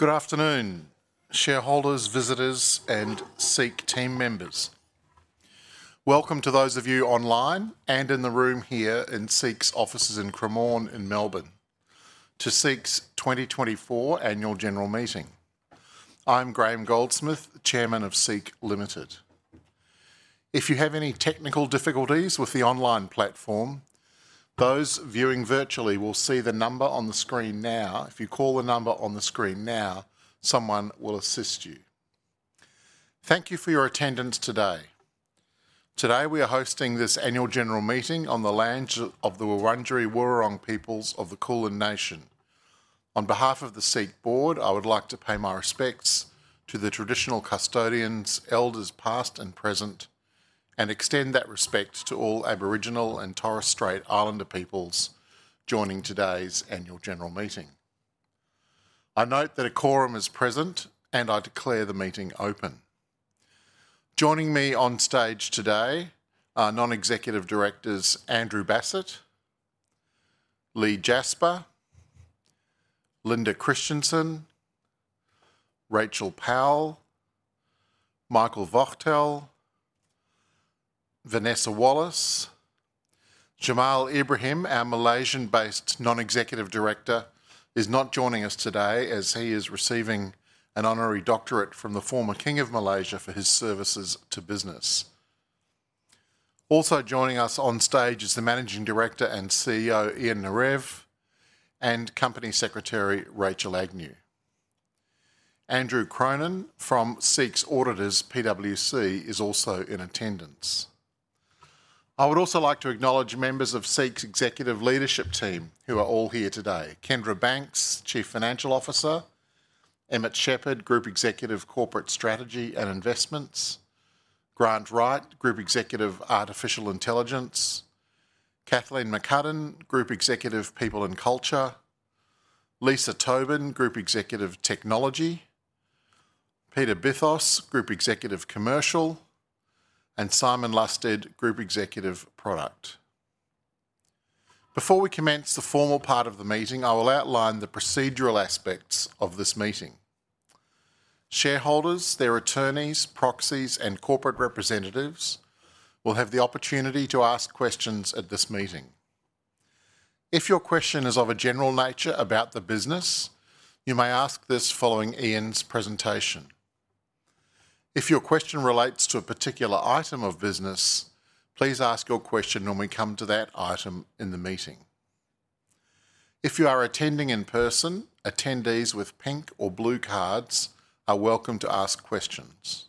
Good afternoon, shareholders, visitors, and SEEK team members. Welcome to those of you online and in the room here in SEEK's offices in Cremorne, in Melbourne, to SEEK's 2024 Annual General Meeting. I'm Graham Goldsmith, Chairman of SEEK Limited. If you have any technical difficulties with the online platform, those viewing virtually will see the number on the screen now. If you call the number on the screen now, someone will assist you. Thank you for your attendance today. Today we are hosting this Annual General Meeting on the lands of the Wurundjeri Wurrung peoples of the Kulin Nation. On behalf of the SEEK Board, I would like to pay my respects to the traditional custodians, elders past and present, and extend that respect to all Aboriginal and Torres Strait Islander peoples joining today's Annual General Meeting. I note that a quorum is present, and I declare the meeting open. Joining me on stage today are non-executive directors Andrew Bassat, Leigh Jasper, Linda Kristjanson, Rachael Powell, Michael Wachtel, Vanessa Wallace. Jamaludin Ibrahim, our Malaysian-based non-executive director, is not joining us today as he is receiving an honorary doctorate from the former King of Malaysia for his services to business. Also joining us on stage is the Managing Director and CEO Ian Narev and Company Secretary Rachel Agnew. Andrew Cronin from SEEK's auditors PwC is also in attendance. I would also like to acknowledge members of SEEK's executive leadership team who are all here today: Kendra Banks, Chief Financial Officer, Emmett Sheppard, Group Executive Corporate Strategy and Investments, Grant Wright, Group Executive Artificial Intelligence, Kathleen McCudden, Group Executive People and Culture, Lisa Tobin, Group Executive Technology, Peter Bithos, Group Executive Commercial, and Simon Lusted, Group Executive Product. Before we commence the formal part of the meeting, I will outline the procedural aspects of this meeting. Shareholders, their attorneys, proxies, and corporate representatives will have the opportunity to ask questions at this meeting. If your question is of a general nature about the business, you may ask this following Ian's presentation. If your question relates to a particular item of business, please ask your question when we come to that item in the meeting. If you are attending in person, attendees with pink or blue cards are welcome to ask questions.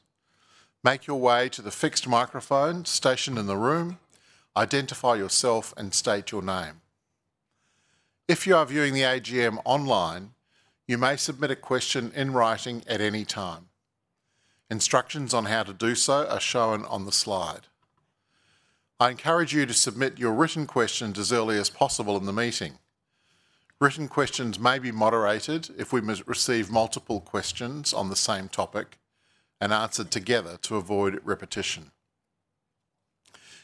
Make your way to the fixed microphone stationed in the room, identify yourself, and state your name. If you are viewing the AGM online, you may submit a question in writing at any time. Instructions on how to do so are shown on the slide. I encourage you to submit your written questions as early as possible in the meeting. Written questions may be moderated if we receive multiple questions on the same topic and answered together to avoid repetition.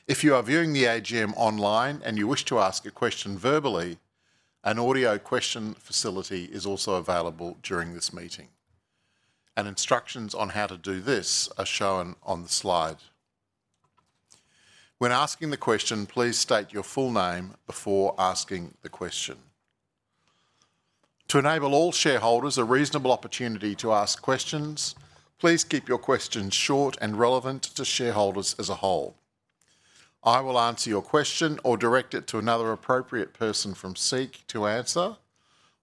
If you are viewing the AGM online and you wish to ask a question verbally, an audio question facility is also available during this meeting, and instructions on how to do this are shown on the slide. When asking the question, please state your full name before asking the question. To enable all shareholders a reasonable opportunity to ask questions, please keep your questions short and relevant to shareholders as a whole. I will answer your question or direct it to another appropriate person from SEEK to answer,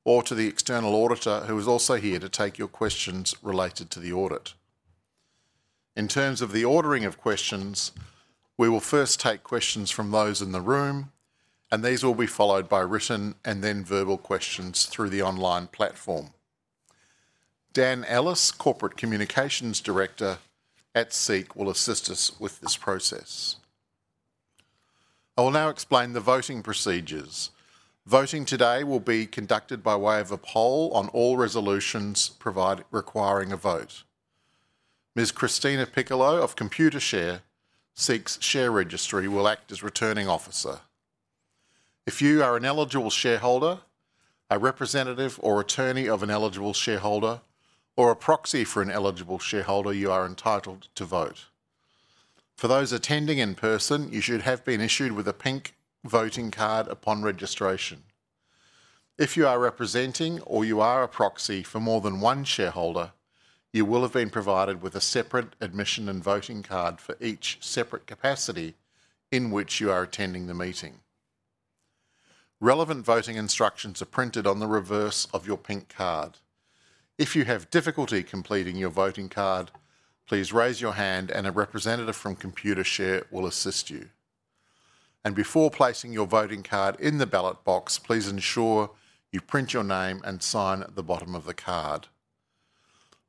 or to the external auditor who is also here to take your questions related to the audit. In terms of the ordering of questions, we will first take questions from those in the room, and these will be followed by written and then verbal questions through the online platform. Dan Ellis, Corporate Communications Director at SEEK, will assist us with this process. I will now explain the voting procedures. Voting today will be conducted by way of a poll on all resolutions requiring a vote. Ms. Christina Piccolo of Computershare, SEEK's share registry, will act as returning officer. If you are an eligible shareholder, a representative or attorney of an eligible shareholder, or a proxy for an eligible shareholder, you are entitled to vote. For those attending in person, you should have been issued with a pink voting card upon registration. If you are representing or you are a proxy for more than one shareholder, you will have been provided with a separate admission and voting card for each separate capacity in which you are attending the meeting. Relevant voting instructions are printed on the reverse of your pink card. If you have difficulty completing your voting card, please raise your hand and a representative from Computershare will assist you. Before placing your voting card in the ballot box, please ensure you print your name and sign at the bottom of the card.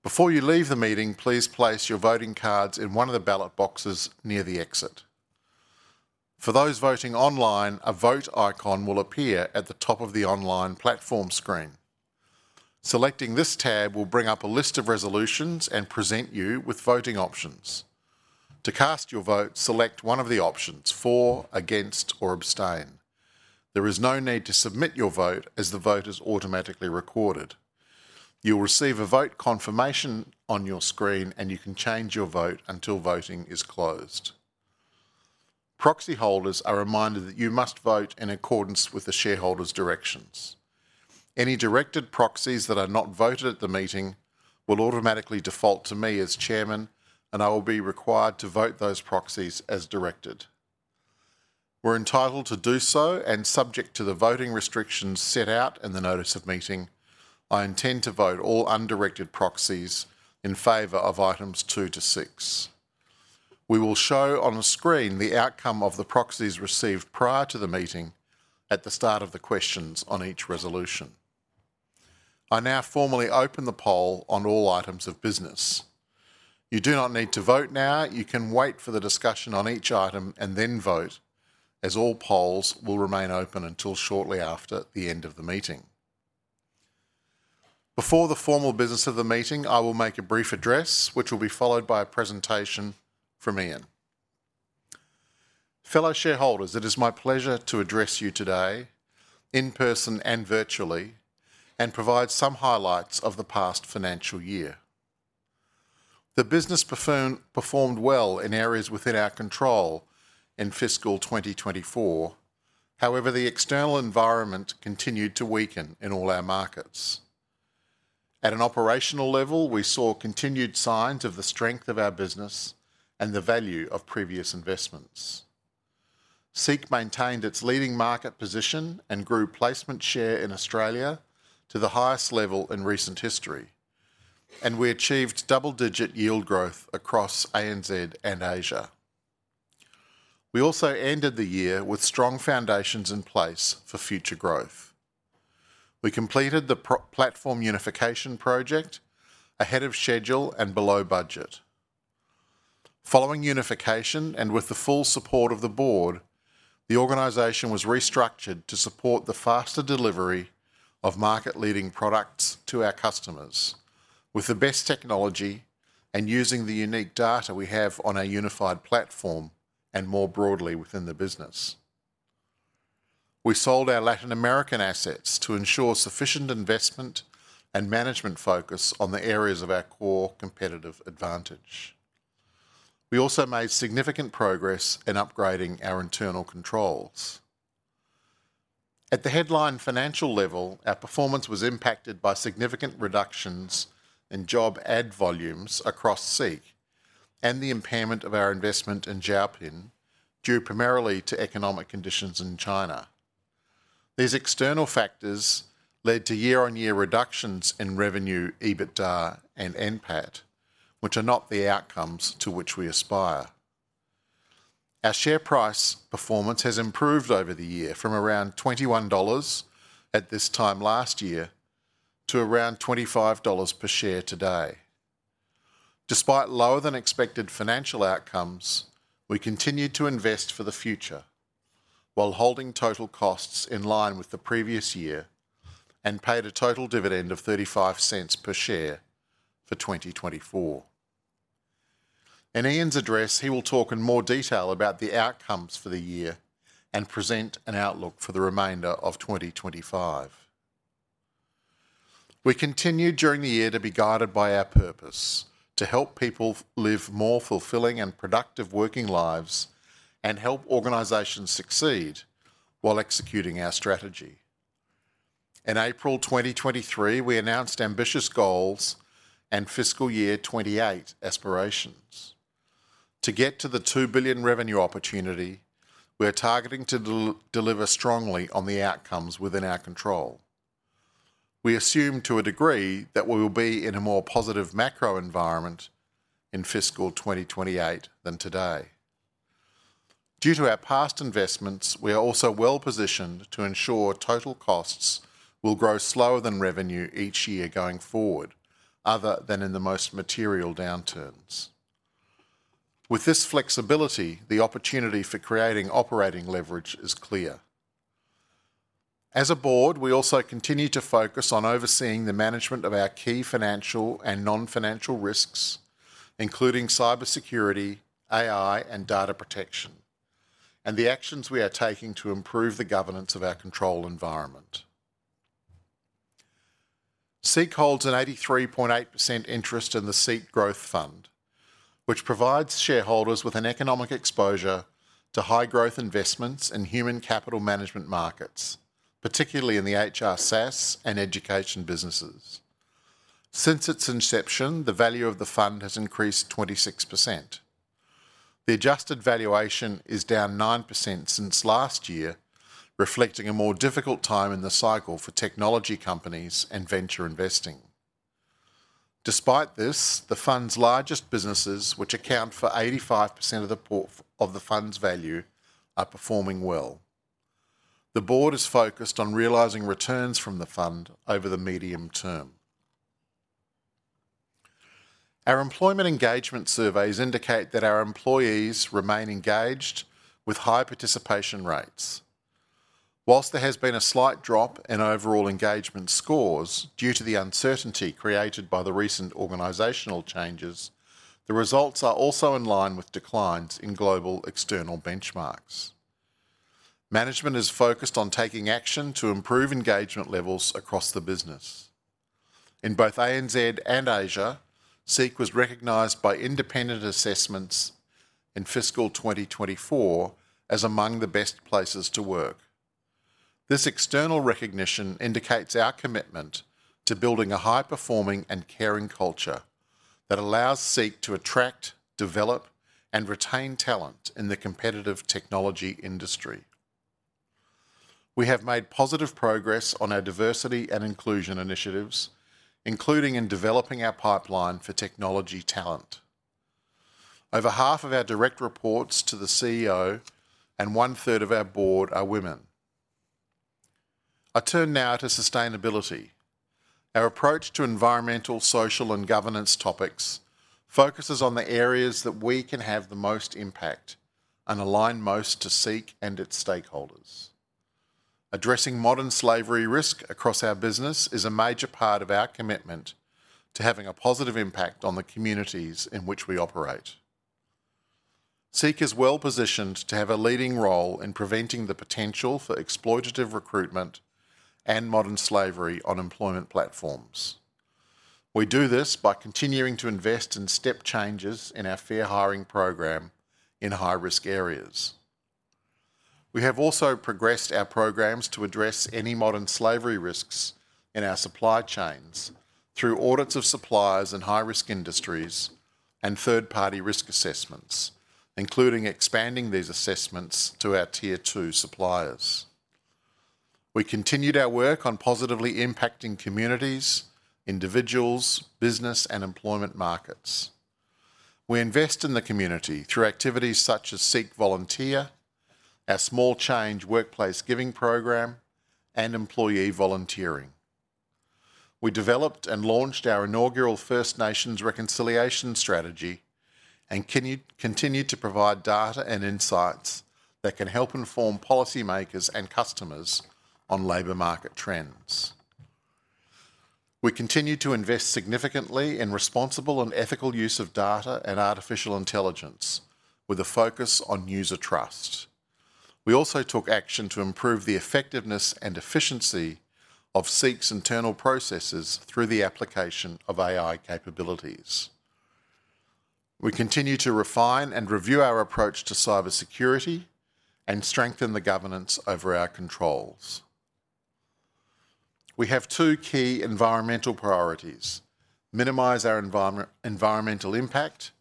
Before you leave the meeting, please place your voting cards in one of the ballot boxes near the exit. For those voting online, a vote icon will appear at the top of the online platform screen. Selecting this tab will bring up a list of resolutions and present you with voting options. To cast your vote, select one of the options: for, against, or abstain. There is no need to submit your vote as the vote is automatically recorded. You will receive a vote confirmation on your screen and you can change your vote until voting is closed. Proxy holders are reminded that you must vote in accordance with the shareholders' directions. Any directed proxies that are not voted at the meeting will automatically default to me as Chairman, and I will be required to vote those proxies as directed. We're entitled to do so and subject to the voting restrictions set out in the notice of meeting, I intend to vote all undirected proxies in favor of items two to six. We will show on the screen the outcome of the proxies received prior to the meeting at the start of the questions on each resolution. I now formally open the poll on all items of business. You do not need to vote now. You can wait for the discussion on each item and then vote, as all polls will remain open until shortly after the end of the meeting. Before the formal business of the meeting, I will make a brief address, which will be followed by a presentation from Ian. Fellow shareholders, it is my pleasure to address you today in person and virtually and provide some highlights of the past financial year. The business performed well in areas within our control in fiscal 2024. However, the external environment continued to weaken in all our markets. At an operational level, we saw continued signs of the strength of our business and the value of previous investments. SEEK maintained its leading market position and grew placement share in Australia to the highest level in recent history, and we achieved double-digit yield growth across ANZ and Asia. We also ended the year with strong foundations in place for future growth. We completed the platform unification project ahead of schedule and below budget. Following unification and with the full support of the board, the organization was restructured to support the faster delivery of market-leading products to our customers with the best technology and using the unique data we have on our unified platform and more broadly within the business. We sold our Latin American assets to ensure sufficient investment and management focus on the areas of our core competitive advantage. We also made significant progress in upgrading our internal controls. At the headline financial level, our performance was impacted by significant reductions in job ad volumes across SEEK and the impairment of our investment in Zhaopin due primarily to economic conditions in China. These external factors led to year-on-year reductions in revenue, EBITDA, and NPAT, which are not the outcomes to which we aspire. Our share price performance has improved over the year from around 21 dollars at this time last year to around 25 dollars per share today. Despite lower-than-expected financial outcomes, we continued to invest for the future while holding total costs in line with the previous year and paid a total dividend of 0.35 per share for 2024. In Ian's address, he will talk in more detail about the outcomes for the year and present an outlook for the remainder of 2025. We continue during the year to be guided by our purpose to help people live more fulfilling and productive working lives and help organizations succeed while executing our strategy. In April 2023, we announced ambitious goals and fiscal year 2028 aspirations. To get to the 2 billion revenue opportunity, we are targeting to deliver strongly on the outcomes within our control. We assume to a degree that we will be in a more positive macro environment in fiscal 2028 than today. Due to our past investments, we are also well positioned to ensure total costs will grow slower than revenue each year going forward, other than in the most material downturns. With this flexibility, the opportunity for creating operating leverage is clear. As a board, we also continue to focus on overseeing the management of our key financial and non-financial risks, including cybersecurity, AI, and data protection, and the actions we are taking to improve the governance of our control environment. SEEK holds an 83.8% interest in the SEEK Growth Fund, which provides shareholders with an economic exposure to high-growth investments in human capital management markets, particularly in the HR, SaaS, and education businesses. Since its inception, the value of the fund has increased 26%. The adjusted valuation is down 9% since last year, reflecting a more difficult time in the cycle for technology companies and venture investing. Despite this, the fund's largest businesses, which account for 85% of the fund's value, are performing well. The board is focused on realising returns from the fund over the medium term. Our employment engagement surveys indicate that our employees remain engaged with high participation rates. While there has been a slight drop in overall engagement scores due to the uncertainty created by the recent organizational changes, the results are also in line with declines in global external benchmarks. Management is focused on taking action to improve engagement levels across the business. In both ANZ and Asia, SEEK was recognized by independent assessments in fiscal 2024 as among the best places to work. This external recognition indicates our commitment to building a high-performing and caring culture that allows SEEK to attract, develop, and retain talent in the competitive technology industry. We have made positive progress on our diversity and inclusion initiatives, including in developing our pipeline for technology talent. Over half of our direct reports to the CEO and one-third of our board are women. I turn now to sustainability. Our approach to environmental, social, and governance topics focuses on the areas that we can have the most impact and align most to SEEK and its stakeholders. Addressing modern slavery risk across our business is a major part of our commitment to having a positive impact on the communities in which we operate. SEEK is well positioned to have a leading role in preventing the potential for exploitative recruitment and modern slavery on employment platforms. We do this by continuing to invest in step changes in our fair hiring program in high-risk areas. We have also progressed our programs to address any modern slavery risks in our supply chains through audits of suppliers in high-risk industries and third-party risk assessments, including expanding these assessments to our tier-two suppliers. We continued our work on positively impacting communities, individuals, business, and employment markets. We invest in the community through activities such as SEEK Volunteer, our Small Change workplace giving program, and employee volunteering. We developed and launched our inaugural First Nations reconciliation strategy and continue to provide data and insights that can help inform policymakers and customers on labor market trends. We continue to invest significantly in responsible and ethical use of data and artificial intelligence, with a focus on user trust. We also took action to improve the effectiveness and efficiency of SEEK's internal processes through the application of AI capabilities. We continue to refine and review our approach to cybersecurity and strengthen the governance over our controls. We have two key environmental priorities: minimize our environmental impact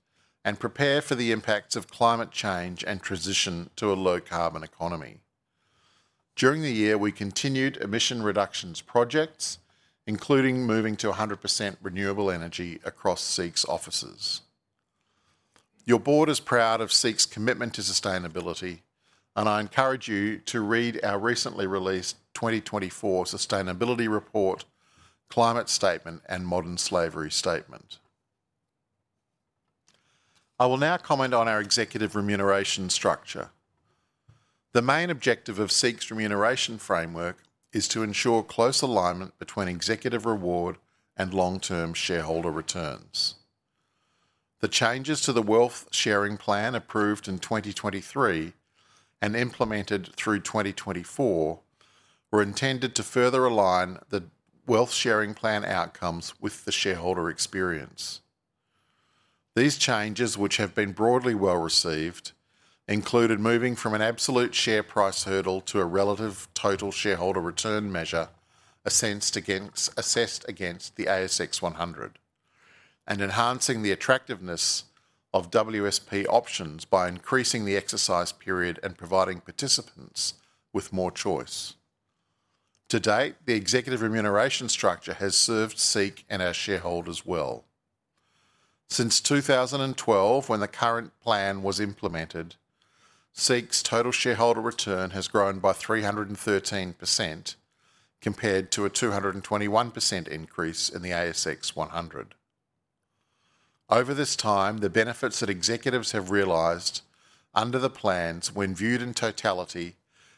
and prepare for the impacts of climate change and transition to a low-carbon economy. During the year, we continued emission reductions projects, including moving to 100% renewable energy across SEEK's offices. Our board is proud of SEEK's commitment to sustainability, and I encourage you to read our recently released 2024 Sustainability Report, Climate Statement, and Modern Slavery Statement. I will now comment on our executive remuneration structure. The main objective of SEEK's remuneration framework is to ensure close alignment between executive reward and long-term shareholder returns. The changes to the Wealth Sharing Plan approved in 2023 and implemented through 2024 were intended to further align the Wealth Sharing Plan outcomes with the shareholder experience. These changes, which have been broadly well received, included moving from an absolute share price hurdle to a relative Total Shareholder Return measure assessed against the ASX 100 and enhancing the attractiveness of WSP options by increasing the exercise period and providing participants with more choice. To date, the executive remuneration structure has served SEEK and our shareholders well. Since 2012, when the current plan was implemented, SEEK's total shareholder return has grown by 313% compared to a 221% increase in the ASX 100. Over this time, the benefits that executives have realized under the plans, when viewed in totality,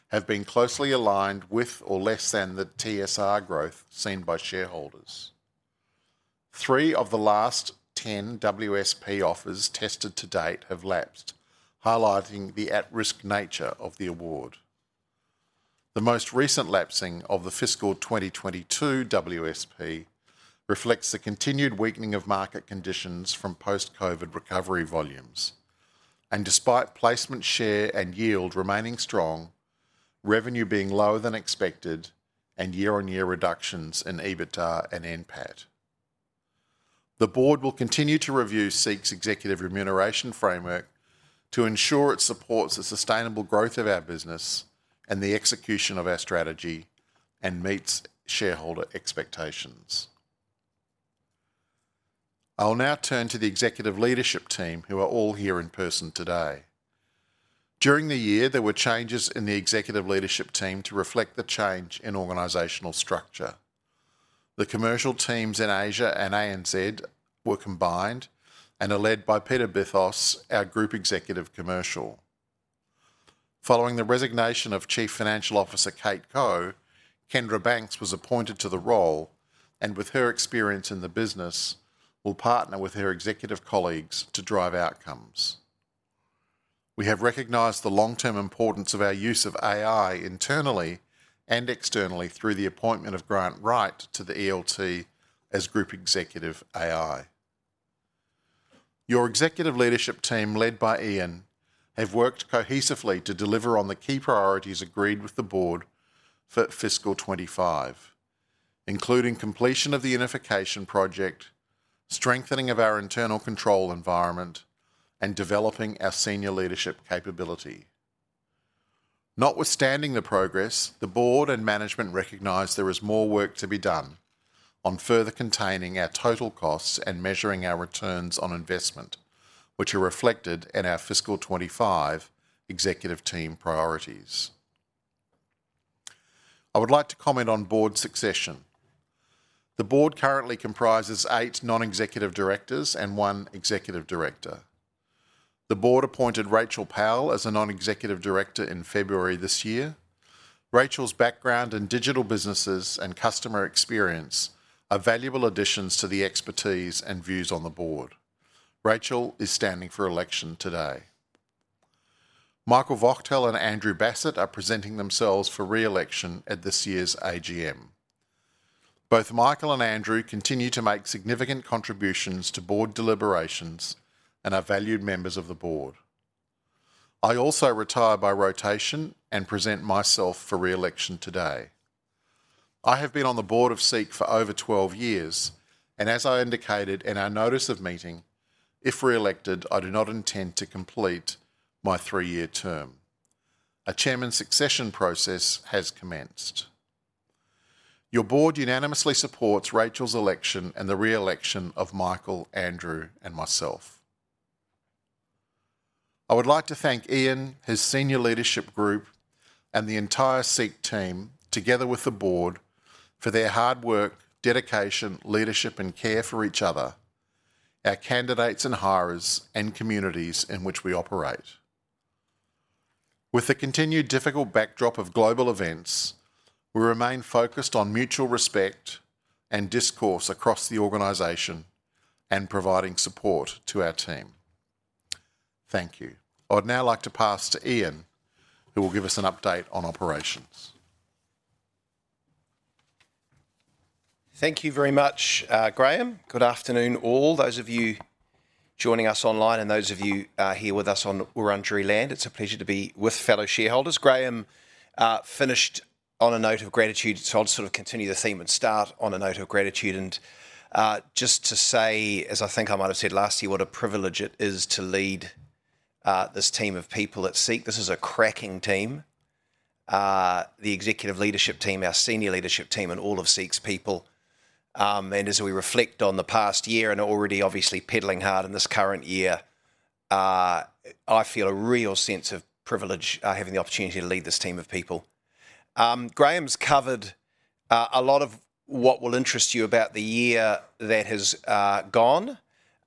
have been closely aligned with or less than the TSR growth seen by shareholders. Three of the last 10 WSP offers tested to date have lapsed, highlighting the at-risk nature of the award. The most recent lapsing of the fiscal 2022 WSP reflects the continued weakening of market conditions from post-COVID recovery volumes, and despite placement share and yield remaining strong, revenue being lower than expected, and year-on-year reductions in EBITDA and NPAT. The board will continue to review SEEK's executive remuneration framework to ensure it supports the sustainable growth of our business and the execution of our strategy and meets shareholder expectations. I'll now turn to the executive leadership team, who are all here in person today. During the year, there were changes in the executive leadership team to reflect the change in organizational structure. The commercial teams in Asia and ANZ were combined and are led by Peter Bithos, our Group Executive, Commercial. Following the resignation of Chief Financial Officer Kate Koch, Kendra Banks was appointed to the role, and with her experience in the business, will partner with her executive colleagues to drive outcomes. We have recognized the long-term importance of our use of AI internally and externally through the appointment of Grant Wright to the ELT as Group Executive, AI. Your executive leadership team, led by Ian, have worked cohesively to deliver on the key priorities agreed with the board for fiscal 2025, including completion of the unification project, strengthening of our internal control environment, and developing our senior leadership capability. Notwithstanding the progress, the board and management recognize there is more work to be done on further containing our total costs and measuring our returns on investment, which are reflected in our fiscal 2025 executive team priorities. I would like to comment on board succession. The board currently comprises eight non-executive directors and one executive director. The board appointed Rachael Powell as a non-executive director in February this year. Rachael's background in digital businesses and customer experience are valuable additions to the expertise and views on the board. Rachael is standing for election today. Michael Wachtel and Andrew Bassat are presenting themselves for re-election at this year's AGM. Both Michael and Andrew continue to make significant contributions to board deliberations and are valued members of the board. I also retire by rotation and present myself for re-election today. I have been on the board of SEEK for over 12 years, and as I indicated in our notice of meeting, if re-elected, I do not intend to complete my three-year term. A chairman succession process has commenced. Your board unanimously supports Rachael's election and the re-election of Michael, Andrew, and myself. I would like to thank Ian, his senior leadership group, and the entire SEEK team, together with the board, for their hard work, dedication, leadership, and care for each other, our candidates and hirers, and communities in which we operate. With the continued difficult backdrop of global events, we remain focused on mutual respect and discourse across the organization and providing support to our team. Thank you. I would now like to pass to Ian, who will give us an update on operations. Thank you very much, Graham. Good afternoon, all. Those of you joining us online and those of you here with us on Wurundjeri land, it's a pleasure to be with fellow shareholders. Graham finished on a note of gratitude. So I'll sort of continue the theme and start on a note of gratitude. And just to say, as I think I might have said last year, what a privilege it is to lead this team of people at SEEK. This is a cracking team. The executive leadership team, our senior leadership team, and all of SEEK's people. And as we reflect on the past year and already obviously pedaling hard in this current year, I feel a real sense of privilege having the opportunity to lead this team of people. Graham's covered a lot of what will interest you about the year that has gone.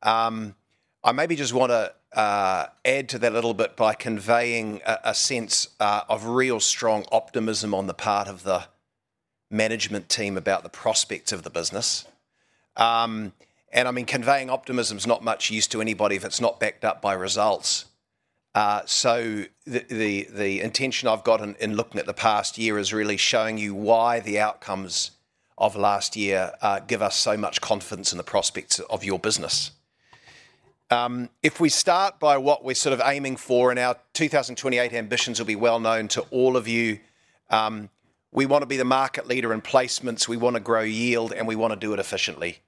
I maybe just want to add to that a little bit by conveying a sense of real strong optimism on the part of the management team about the prospects of the business, and I mean, conveying optimism is not much use to anybody if it's not backed up by results, so the intention I've got in looking at the past year is really showing you why the outcomes of last year give us so much confidence in the prospects of your business. If we start by what we're sort of aiming for and our 2028 ambitions will be well known to all of you, we want to be the market leader in placements. We want to grow yield, and we want to do it efficiently.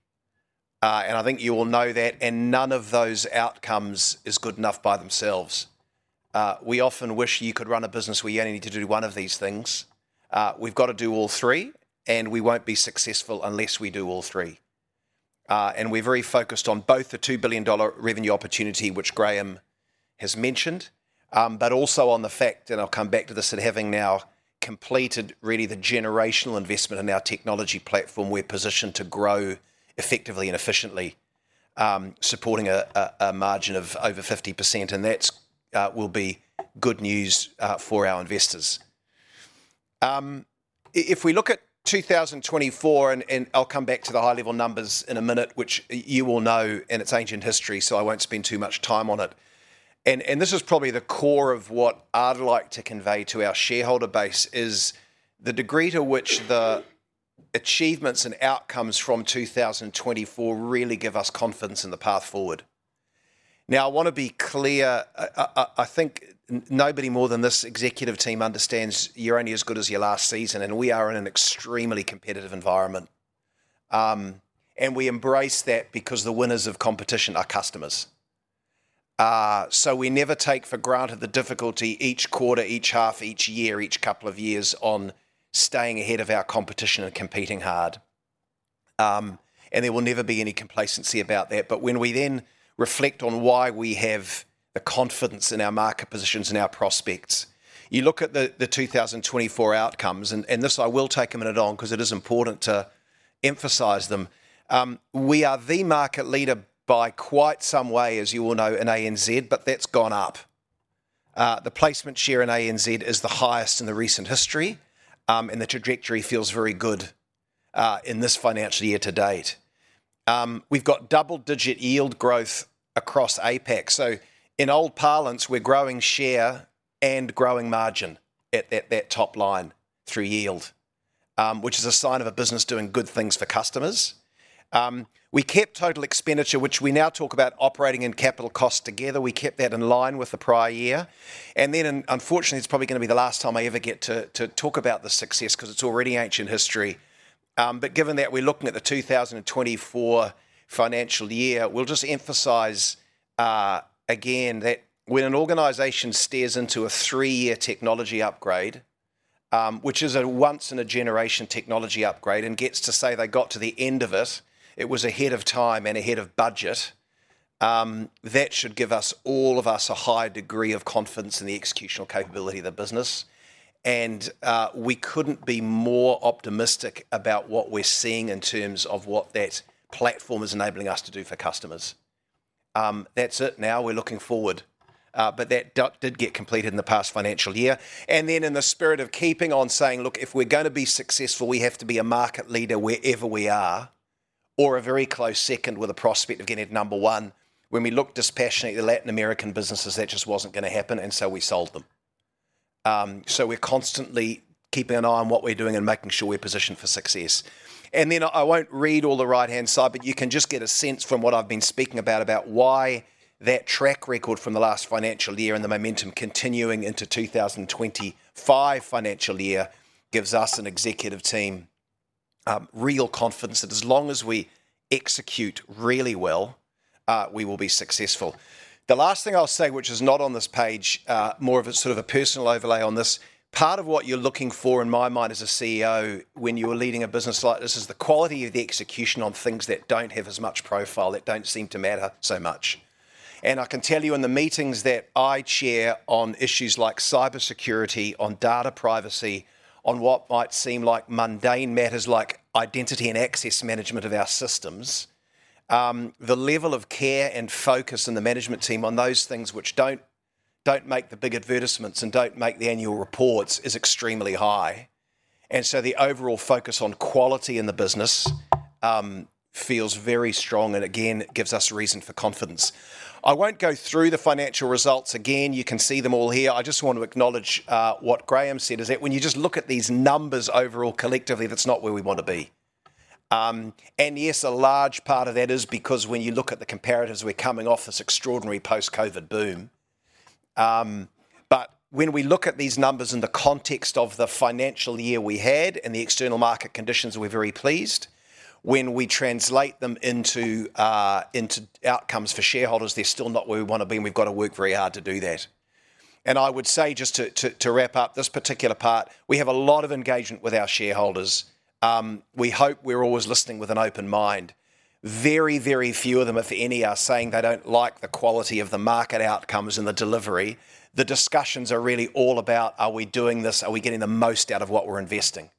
I think you all know that, and none of those outcomes is good enough by themselves. We often wish you could run a business where you only need to do one of these things. We've got to do all three, and we won't be successful unless we do all three. We're very focused on both the 2 billion dollar revenue opportunity, which Graham has mentioned, but also on the fact, and I'll come back to this, of having now completed really the generational investment in our technology platform. We're positioned to grow effectively and efficiently, supporting a margin of over 50%, and that will be good news for our investors. If we look at 2024, and I'll come back to the high-level numbers in a minute, which you all know and it's ancient history, so I won't spend too much time on it. And this is probably the core of what I'd like to convey to our shareholder base is the degree to which the achievements and outcomes from 2024 really give us confidence in the path forward. Now, I want to be clear. I think nobody more than this executive team understands you're only as good as your last season, and we are in an extremely competitive environment. And we embrace that because the winners of competition are customers. So we never take for granted the difficulty each quarter, each half, each year, each couple of years on staying ahead of our competition and competing hard. And there will never be any complacency about that. But when we then reflect on why we have the confidence in our market positions and our prospects, you look at the 2024 outcomes, and this I will take a minute on because it is important to emphasize them. We are the market leader by quite some way, as you all know, in ANZ, but that's gone up. The placement share in ANZ is the highest in the recent history, and the trajectory feels very good in this financial year to date. We've got double-digit yield growth across APAC. So in old parlance, we're growing share and growing margin at that top line through yield, which is a sign of a business doing good things for customers. We kept total expenditure, which we now talk about operating and capital costs together. We kept that in line with the prior year. And then, unfortunately, it's probably going to be the last time I ever get to talk about the success because it's already ancient history. But given that we're looking at the 2024 financial year, we'll just emphasize again that when an organization stares into a three-year technology upgrade, which is a once-in-a-generation technology upgrade, and gets to say they got to the end of it, it was ahead of time and ahead of budget, that should give us, all of us, a high degree of confidence in the executional capability of the business. And we couldn't be more optimistic about what we're seeing in terms of what that platform is enabling us to do for customers. That's it now. We're looking forward. But that did get completed in the past financial year. Then, in the spirit of keeping on saying, "Look, if we're going to be successful, we have to be a market leader wherever we are," or a very close second with a prospect of getting number one, when we looked dispassionately at the Latin American businesses, that just wasn't going to happen, and so we sold them. We're constantly keeping an eye on what we're doing and making sure we're positioned for success. I won't read all the right-hand side, but you can just get a sense from what I've been speaking about, about why that track record from the last financial year and the momentum continuing into 2025 financial year gives us and executive team real confidence that as long as we execute really well, we will be successful. The last thing I'll say, which is not on this page, more of a sort of a personal overlay on this, part of what you're looking for, in my mind, as a CEO, when you're leading a business like this, is the quality of the execution on things that don't have as much profile, that don't seem to matter so much. And I can tell you in the meetings that I chair on issues like cybersecurity, on data privacy, on what might seem like mundane matters like identity and access management of our systems, the level of care and focus in the management team on those things which don't make the big advertisements and don't make the annual reports is extremely high. And so the overall focus on quality in the business feels very strong and, again, gives us reason for confidence. I won't go through the financial results. Again, you can see them all here. I just want to acknowledge what Graham said is that when you just look at these numbers overall collectively, that's not where we want to be. And yes, a large part of that is because when you look at the comparatives, we're coming off this extraordinary post-COVID boom. But when we look at these numbers in the context of the financial year we had and the external market conditions, we're very pleased. When we translate them into outcomes for shareholders, they're still not where we want to be, and we've got to work very hard to do that. And I would say, just to wrap up this particular part, we have a lot of engagement with our shareholders. We hope we're always listening with an open mind. Very, very few of them, if any, are saying they don't like the quality of the market outcomes and the delivery. The discussions are really all about, are we doing this? Are we getting the most out of what we're investing?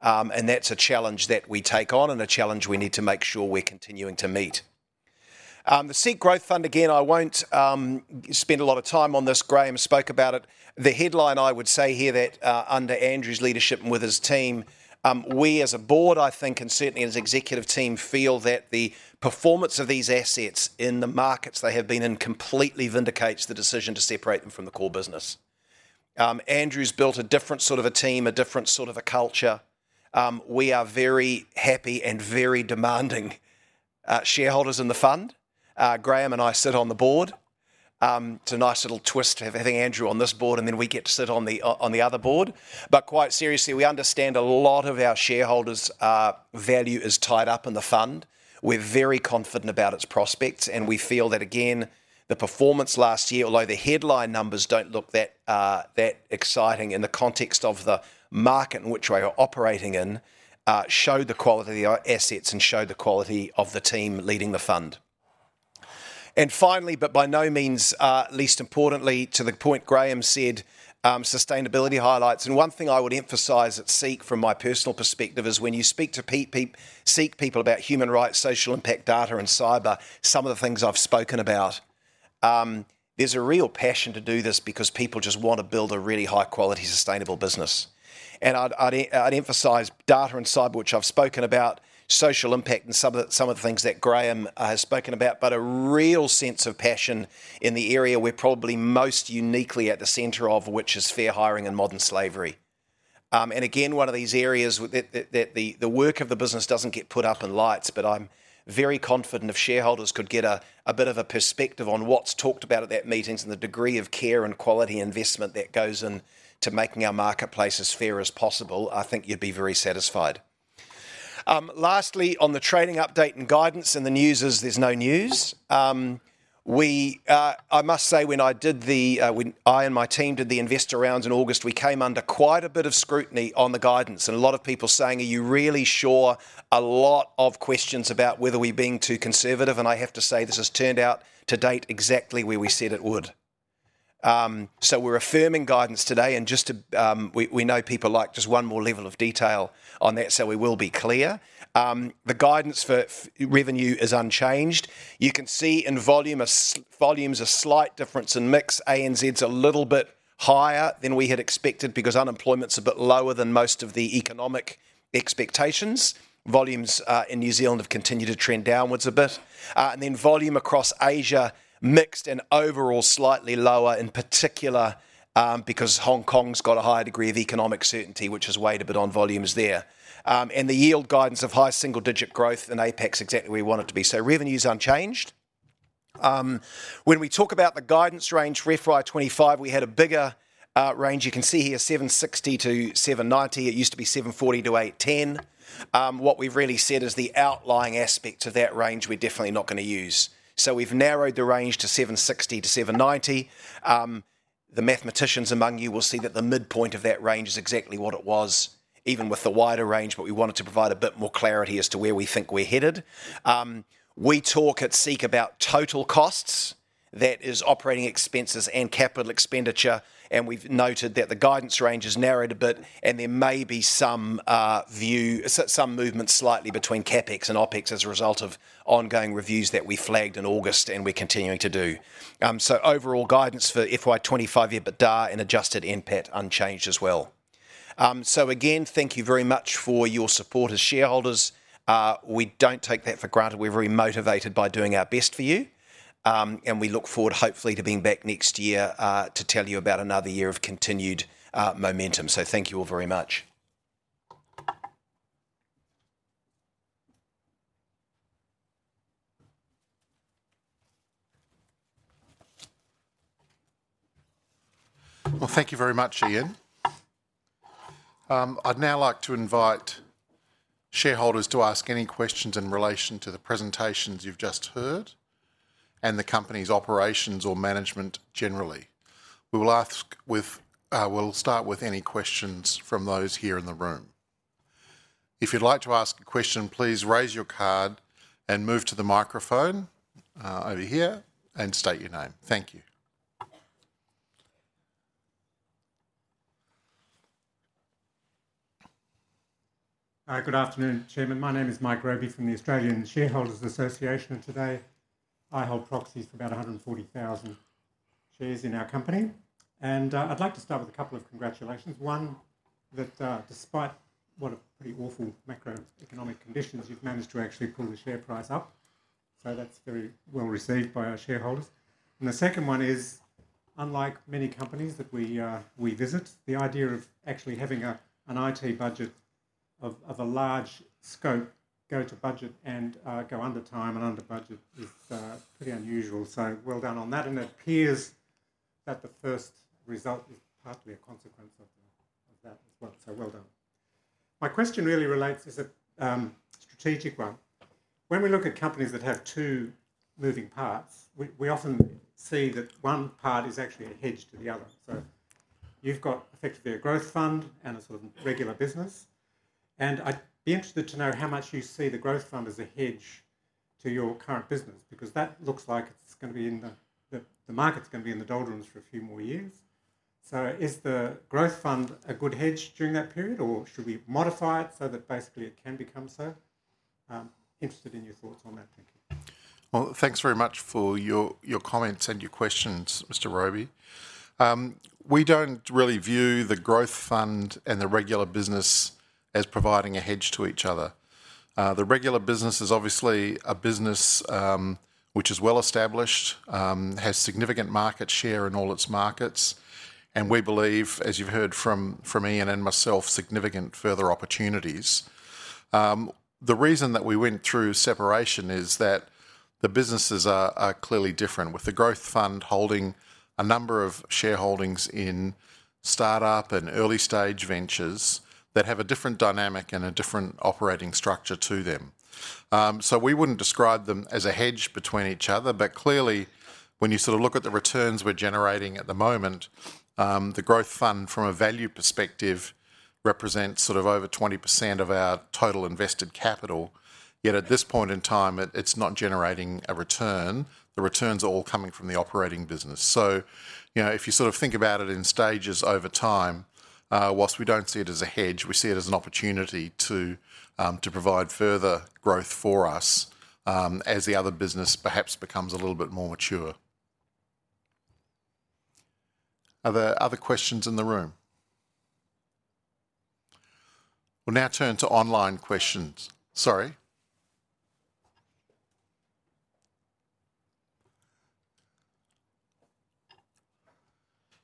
And that's a challenge that we take on and a challenge we need to make sure we're continuing to meet. The SEEK Growth Fund, again, I won't spend a lot of time on this. Graham spoke about it. The headline, I would say here, that under Andrew's leadership and with his team, we as a board, I think, and certainly as executive team, feel that the performance of these assets in the markets they have been in completely vindicates the decision to separate them from the core business. Andrew's built a different sort of a team, a different sort of a culture. We are very happy and very demanding shareholders in the fund. Graham and I sit on the board. It's a nice little twist to have Andrew on this board, and then we get to sit on the other board. But quite seriously, we understand a lot of our shareholders' value is tied up in the fund. We're very confident about its prospects, and we feel that, again, the performance last year, although the headline numbers don't look that exciting in the context of the market in which we're operating in, showed the quality of the assets and showed the quality of the team leading the fund. And finally, but by no means least importantly, to the point Graham said, sustainability highlights. One thing I would emphasize at SEEK from my personal perspective is when you speak to SEEK people about human rights, social impact, data, and cyber, some of the things I've spoken about, there's a real passion to do this because people just want to build a really high-quality, sustainable business. I'd emphasize data and cyber, which I've spoken about, social impact, and some of the things that Graham has spoken about, but a real sense of passion in the area we're probably most uniquely at the center of, which is fair hiring and modern slavery. One of these areas that the work of the business doesn't get put up in lights, but I'm very confident if shareholders could get a bit of a perspective on what's talked about at those meetings and the degree of care and quality investment that goes into making our marketplaces as fair as possible. I think you'd be very satisfied. Lastly, on the trading update and guidance and the news is there's no news. I must say, when I and my team did the investor rounds in August, we came under quite a bit of scrutiny on the guidance and a lot of people saying, "Are you really sure?" A lot of questions about whether we're being too conservative. And I have to say this has turned out to date exactly where we said it would. So we're affirming guidance today. Just to you know, people like just one more level of detail on that, so we will be clear. The guidance for revenue is unchanged. You can see in volumes a slight difference in mix. ANZ's a little bit higher than we had expected because unemployment's a bit lower than most of the economic expectations. Volumes in New Zealand have continued to trend downward a bit. And then volume across Asia mixed and overall slightly lower, in particular because Hong Kong's got a higher degree of economic uncertainty, which has weighed a bit on volumes there. And the yield guidance of high single-digit growth in APAC, exactly where we want it to be. So revenue's unchanged. When we talk about the guidance range, FY 2025, we had a bigger range. You can see here, 760-790. It used to be 740-810. What we've really said is the outlying aspect of that range we're definitely not going to use. So we've narrowed the range to 760 to 790. The mathematicians among you will see that the midpoint of that range is exactly what it was, even with the wider range, but we wanted to provide a bit more clarity as to where we think we're headed. We talk at SEEK about total costs. That is operating expenses and capital expenditure. And we've noted that the guidance range is narrowed a bit, and there may be some movement slightly between CAPEX and OPEX as a result of ongoing reviews that we flagged in August and we're continuing to do. So overall guidance for FY 2025, yeah, but DAR and adjusted NPAT unchanged as well. So again, thank you very much for your support as shareholders. We don't take that for granted. We're very motivated by doing our best for you. And we look forward, hopefully, to being back next year to tell you about another year of continued momentum. So thank you all very much. Well, thank you very much, Ian. I'd now like to invite shareholders to ask any questions in relation to the presentations you've just heard and the company's operations or management generally. We'll start with any questions from those here in the room. If you'd like to ask a question, please raise your card and move to the microphone over here and state your name. Thank you. All right. Good afternoon, Chairman. My name is Mike Robey from the Australian Shareholders' Association. And today, I hold proxies for about 140,000 shares in our company. And I'd like to start with a couple of congratulations. One, that despite what a pretty awful macroeconomic conditions, you've managed to actually pull the share price up, so that's very well received by our shareholders, and the second one is, unlike many companies that we visit, the idea of actually having an IT budget of a large scope go to budget and go under time and under budget is pretty unusual, so well done on that, and it appears that the first result is partly a consequence of that as well, so well done. My question really relates to a strategic one. When we look at companies that have two moving parts, we often see that one part is actually a hedge to the other, so you've got effectively a growth fund and a sort of regular business. I'd be interested to know how much you see the growth fund as a hedge to your current business because that looks like the market's going to be in the doldrums for a few more years. So is the growth fund a good hedge during that period, or should we modify it so that basically it can become so? Interested in your thoughts on that. Thank you. Thanks very much for your comments and your questions, Mr. Robey. We don't really view the growth fund and the regular business as providing a hedge to each other. The regular business is obviously a business which is well established, has significant market share in all its markets, and we believe, as you've heard from Ian and myself, significant further opportunities. The reason that we went through separation is that the businesses are clearly different, with the growth fund holding a number of shareholdings in startup and early-stage ventures that have a different dynamic and a different operating structure to them. So we wouldn't describe them as a hedge between each other. But clearly, when you sort of look at the returns we're generating at the moment, the growth fund, from a value perspective, represents sort of over 20% of our total invested capital. Yet at this point in time, it's not generating a return. The returns are all coming from the operating business. So if you sort of think about it in stages over time, whilst we don't see it as a hedge, we see it as an opportunity to provide further growth for us as the other business perhaps becomes a little bit more mature. Are there other questions in the room? We'll now turn to online questions.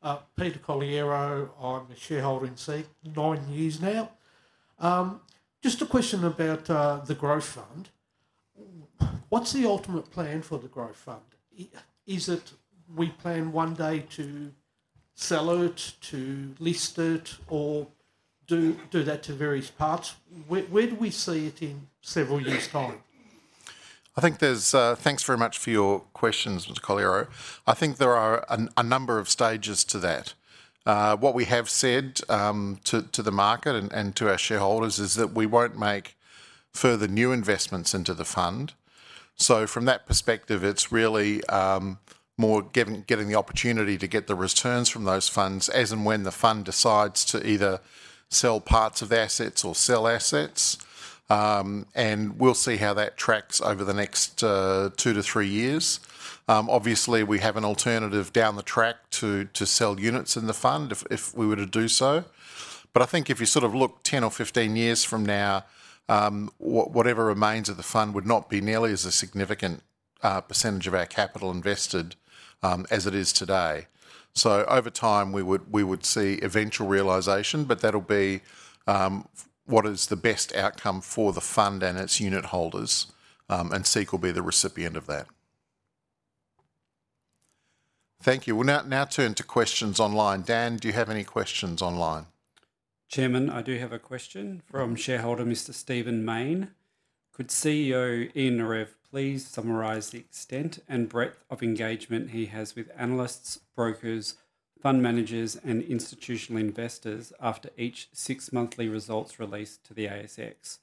Sorry. Peter Colliero. I'm a shareholder in SEEK nine years now. Just a question about the growth fund. What's the ultimate plan for the growth fund? Is it we plan one day to sell it, to list it, or do that to various parts? Where do we see it in several years' time? I think there's thanks very much for your questions, Mr. Colliero. I think there are a number of stages to that. What we have said to the market and to our shareholders is that we won't make further new investments into the fund. So from that perspective, it's really more getting the opportunity to get the returns from those funds as and when the fund decides to either sell parts of assets or sell assets. And we'll see how that tracks over the next two to three years. Obviously, we have an alternative down the track to sell units in the fund if we were to do so. But I think if you sort of look 10 or 15 years from now, whatever remains of the fund would not be nearly as a significant percentage of our capital invested as it is today. So over time, we would see eventual realization, but that'll be what is the best outcome for the fund and its unit holders. And SEEK will be the recipient of that. Thank you. We'll now turn to questions online. Dan, do you have any questions online? Chairman, I do have a question from shareholder Mr. Stephen Mayne. Could CEO Ian Narev please summarize the extent and breadth of engagement he has with analysts, brokers, fund managers, and institutional investors after each six-monthly results release to the ASX?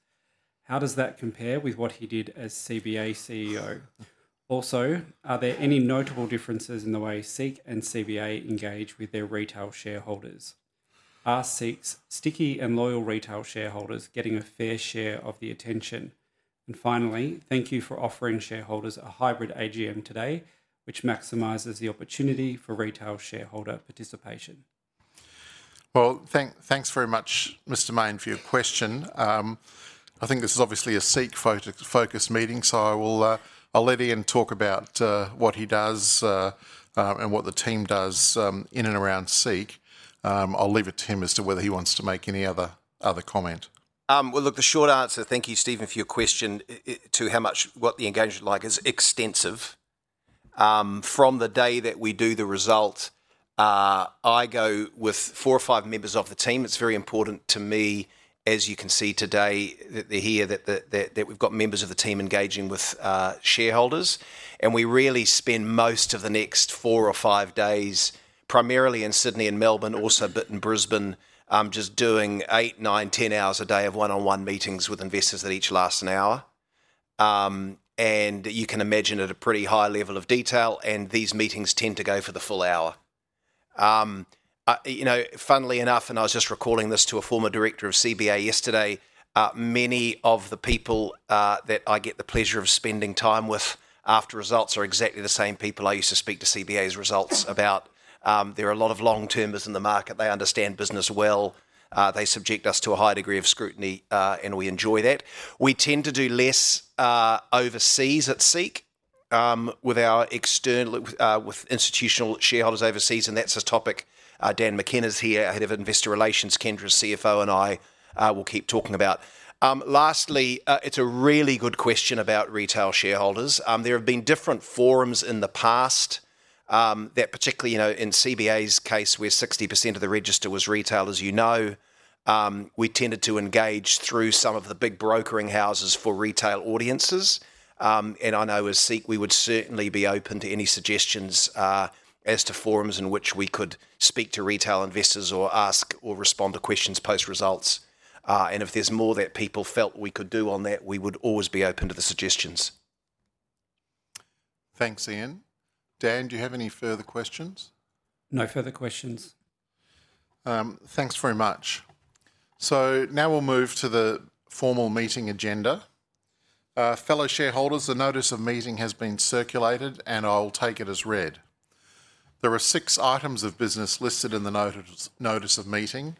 How does that compare with what he did as CBA CEO? Also, are there any notable differences in the way SEEK and CBA engage with their retail shareholders? Are SEEK's sticky and loyal retail shareholders getting a fair share of the attention? And finally, thank you for offering shareholders a hybrid AGM today, which maximizes the opportunity for retail shareholder participation. Well, thanks very much, Mr. Mayne, for your question. I think this is obviously a SEEK-focused meeting, so I'll let Ian talk about what he does and what the team does in and around SEEK. I'll leave it to him as to whether he wants to make any other comment. Look, the short answer, thank you, Stephen, for your question to how much the engagement is like is extensive. From the day that we do the result, I go with four or five members of the team. It's very important to me, as you can see today, that they hear that we've got members of the team engaging with shareholders. And we really spend most of the next four or five days primarily in Sydney and Melbourne, also a bit in Brisbane, just doing eight, nine, 10 hours a day of one-on-one meetings with investors that each last an hour. And you can imagine, at a pretty high level of detail, and these meetings tend to go for the full hour. Funnily enough, and I was just recalling this to a former director of CBA yesterday, many of the people that I get the pleasure of spending time with after results are exactly the same people I used to speak to CBA's results about. There are a lot of long-termers in the market. They understand business well. They subject us to a high degree of scrutiny, and we enjoy that. We tend to do less overseas at SEEK with institutional shareholders overseas, and that's a topic Dan McKenna here, head of investor relations, Kendra, CFO, and I will keep talking about. Lastly, it's a really good question about retail shareholders. There have been different forums in the past that particularly in CBA's case, where 60% of the register was retail, as you know, we tended to engage through some of the big brokerage houses for retail audiences. And I know as SEEK, we would certainly be open to any suggestions as to forums in which we could speak to retail investors or ask or respond to questions post-results. And if there's more that people felt we could do on that, we would always be open to the suggestions. Thanks, Ian. Dan, do you have any further questions? No further questions. Thanks very much. So now we'll move to the formal meeting agenda. Fellow shareholders, the notice of meeting has been circulated, and I will take it as read. There are six items of business listed in the notice of meeting.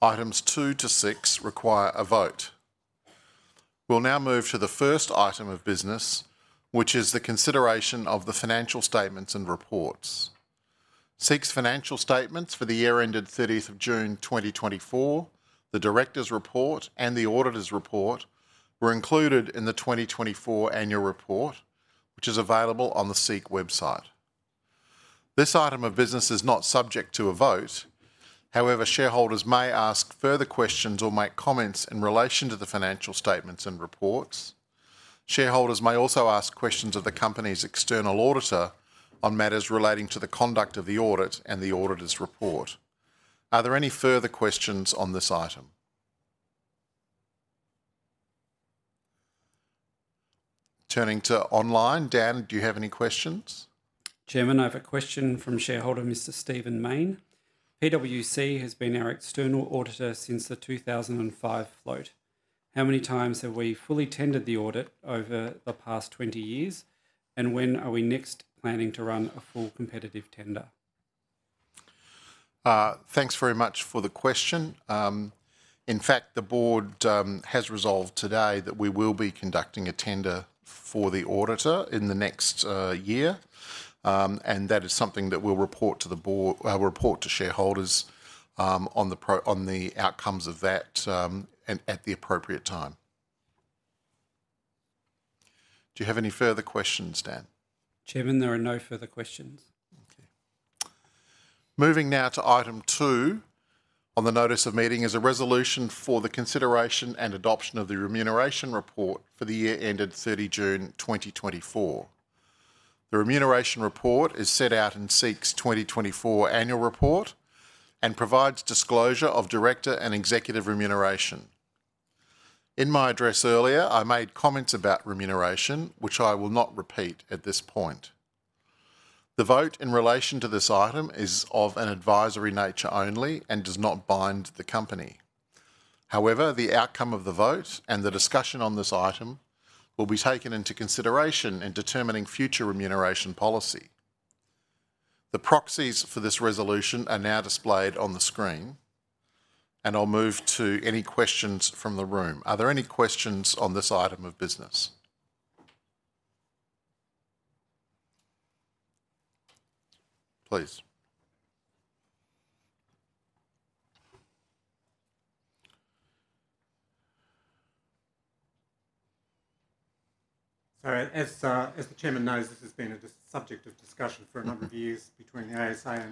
Items two to six require a vote. We'll now move to the first item of business, which is the consideration of the financial statements and reports. SEEK's financial statements for the year ended 30th of June 2024, the director's report, and the auditor's report were included in the 2024 annual report, which is available on the SEEK website. This item of business is not subject to a vote. However, shareholders may ask further questions or make comments in relation to the financial statements and reports. Shareholders may also ask questions of the company's external auditor on matters relating to the conduct of the audit and the auditor's report. Are there any further questions on this item? Turning to online, Dan, do you have any questions? Chairman, I have a question from shareholder Mr. Stephen Mayne. PwC has been our external auditor since the 2005 float. How many times have we fully tendered the audit over the past 20 years, and when are we next planning to run a full competitive tender? Thanks very much for the question. In fact, the board has resolved today that we will be conducting a tender for the auditor in the next year, and that is something that we'll report to shareholders on the outcomes of that at the appropriate time. Do you have any further questions, Dan? Chairman, there are no further questions. Okay. Moving now to item two on the notice of meeting is a resolution for the consideration and adoption of the remuneration report for the year ended 30 June 2024. The remuneration report is set out in SEEK's 2024 annual report and provides disclosure of director and executive remuneration. In my address earlier, I made comments about remuneration, which I will not repeat at this point. The vote in relation to this item is of an advisory nature only and does not bind the company. However, the outcome of the vote and the discussion on this item will be taken into consideration in determining future remuneration policy. The proxies for this resolution are now displayed on the screen, and I'll move to any questions from the room. Are there any questions on this item of business? Please. Sorry. As the chairman knows, this has been a subject of discussion for a number of years between the ASA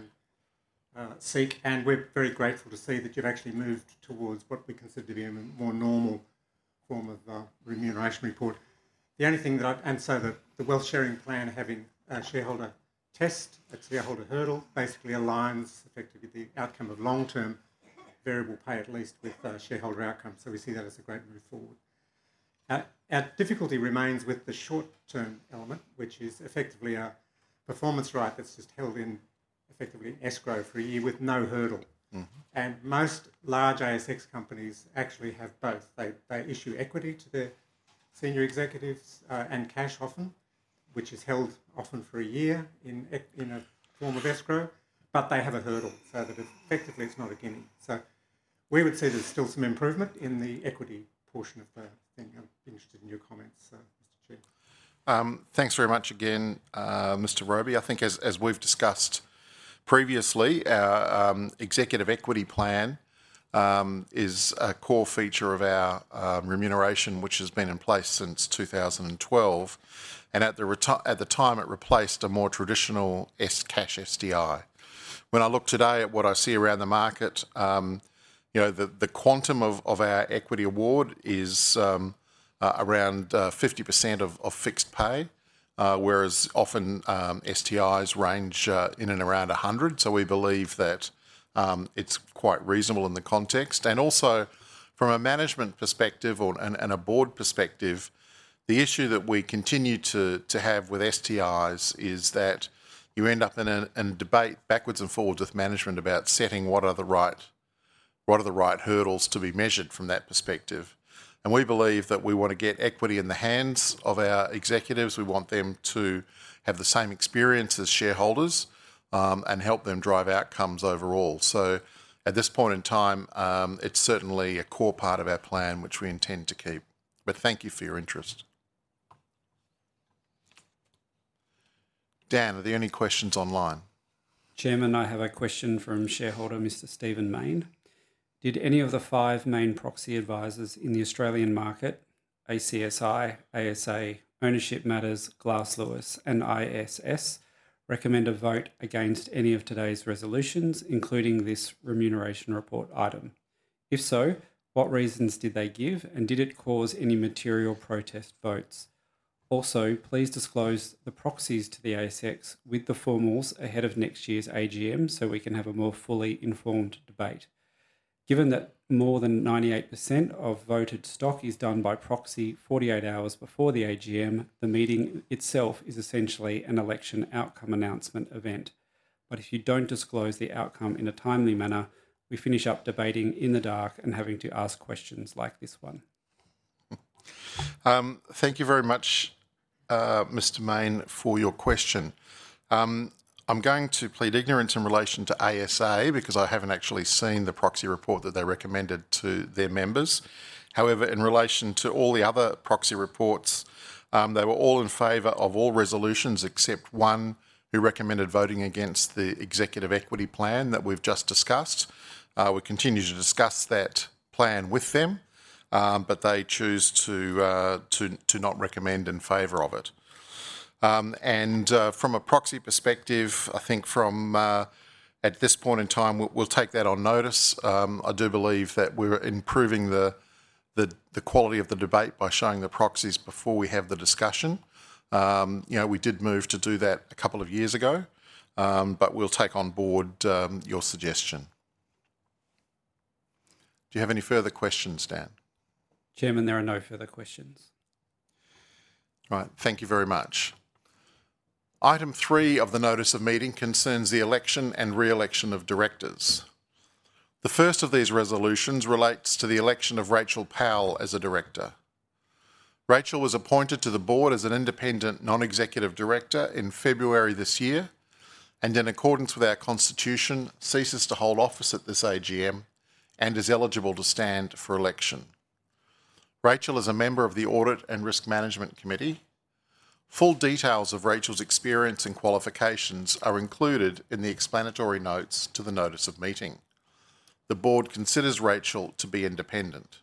and SEEK, and we're very grateful to see that you've actually moved towards what we consider to be a more normal form of remuneration report. The only thing that I'd add, so that the Wealth Sharing Plan having a shareholder test at shareholder hurdle basically aligns effectively the outcome of long-term variable pay at least with shareholder outcome. So we see that as a great move forward. Our difficulty remains with the short-term element, which is effectively a performance rights that's just held in effectively escrow for a year with no hurdle. And most large ASX companies actually have both. They issue equity to their senior executives and cash often, which is held often for a year in a form of escrow, but they have a hurdle. So that effectively, it's not a gimmick. So we would see there's still some improvement in the equity portion of the thing. I'm interested in your comments, Mr. Chair. Thanks very much again, Mr. Robey. I think as we've discussed previously, our executive equity plan is a core feature of our remuneration, which has been in place since 2012, and at the time, it replaced a more traditional cash STI. When I look today at what I see around the market, the quantum of our equity award is around 50% of fixed pay, whereas often SDIs range in and around 100%. So we believe that it's quite reasonable in the context. And also, from a management perspective and a board perspective, the issue that we continue to have with SDIs is that you end up in a debate backwards and forwards with management about setting what are the right hurdles to be measured from that perspective. And we believe that we want to get equity in the hands of our executives. We want them to have the same experience as shareholders and help them drive outcomes overall. So at this point in time, it's certainly a core part of our plan, which we intend to keep. But thank you for your interest. Dan, are there any questions online? Chairman, I have a question from shareholder Mr. Stephen Mayne. Did any of the five main proxy advisors in the Australian market, ACSI, ASA, Ownership Matters, Glass Lewis, and ISS, recommend a vote against any of today's resolutions, including this remuneration report item? If so, what reasons did they give, and did it cause any material protest votes? Also, please disclose the proxies to the ASX with the formals ahead of next year's AGM so we can have a more fully informed debate. Given that more than 98% of voted stock is done by proxy 48 hours before the AGM, the meeting itself is essentially an election outcome announcement event. But if you don't disclose the outcome in a timely manner, we finish up debating in the dark and having to ask questions like this one. Thank you very much, Mr. Mayne, for your question. I'm going to plead ignorance in relation to ASA because I haven't actually seen the proxy report that they recommended to their members. However, in relation to all the other proxy reports, they were all in favour of all resolutions except one who recommended voting against the executive equity plan that we've just discussed. We continue to discuss that plan with them, but they choose to not recommend in favour of it. And from a proxy perspective, I think from this point in time, we'll take that on notice. I do believe that we're improving the quality of the debate by showing the proxies before we have the discussion. We did move to do that a couple of years ago, but we'll take on board your suggestion. Do you have any further questions, Dan? Chairman, there are no further questions. All right. Thank you very much. Item three of the notice of meeting concerns the election and re-election of directors. The first of these resolutions relates to the election of Rachael Powell as a director. Rachael was appointed to the board as an independent non-executive director in February this year and, in accordance with our constitution, ceases to hold office at this AGM and is eligible to stand for election. Rachael is a member of the Audit and Risk Management Committee. Full details of Rachael's experience and qualifications are included in the explanatory notes to the notice of meeting. The board considers Rachael to be independent.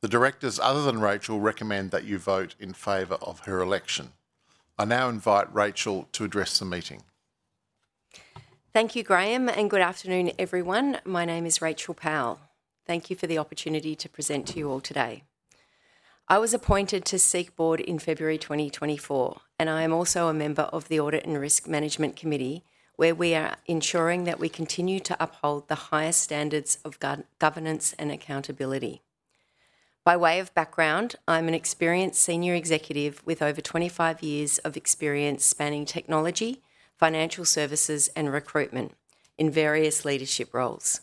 The directors other than Rachael recommend that you vote in favor of her election. I now invite Rachael to address the meeting. Thank you, Graham, and good afternoon, everyone. My name is Rachael Powell. Thank you for the opportunity to present to you all today. I was appointed to SEEK board in February 2024, and I am also a member of the Audit and Risk Management Committee, where we are ensuring that we continue to uphold the highest standards of governance and accountability. By way of background, I'm an experienced senior executive with over 25 years of experience spanning technology, financial services, and recruitment in various leadership roles.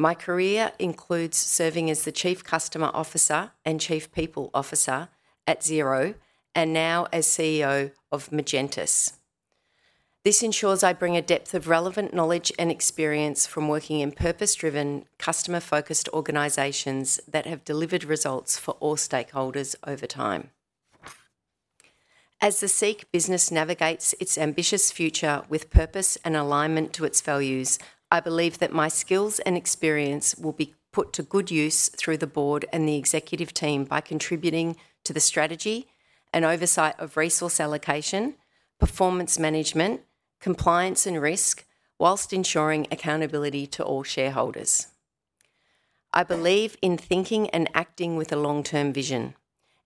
My career includes serving as the Chief Customer Officer and Chief People Officer at Xero, and now as CEO of Magentus. This ensures I bring a depth of relevant knowledge and experience from working in purpose-driven, customer-focused organizations that have delivered results for all stakeholders over time. As the SEEK business navigates its ambitious future with purpose and alignment to its values, I believe that my skills and experience will be put to good use through the board and the executive team by contributing to the strategy and oversight of resource allocation, performance management, compliance, and risk, whilst ensuring accountability to all shareholders. I believe in thinking and acting with a long-term vision.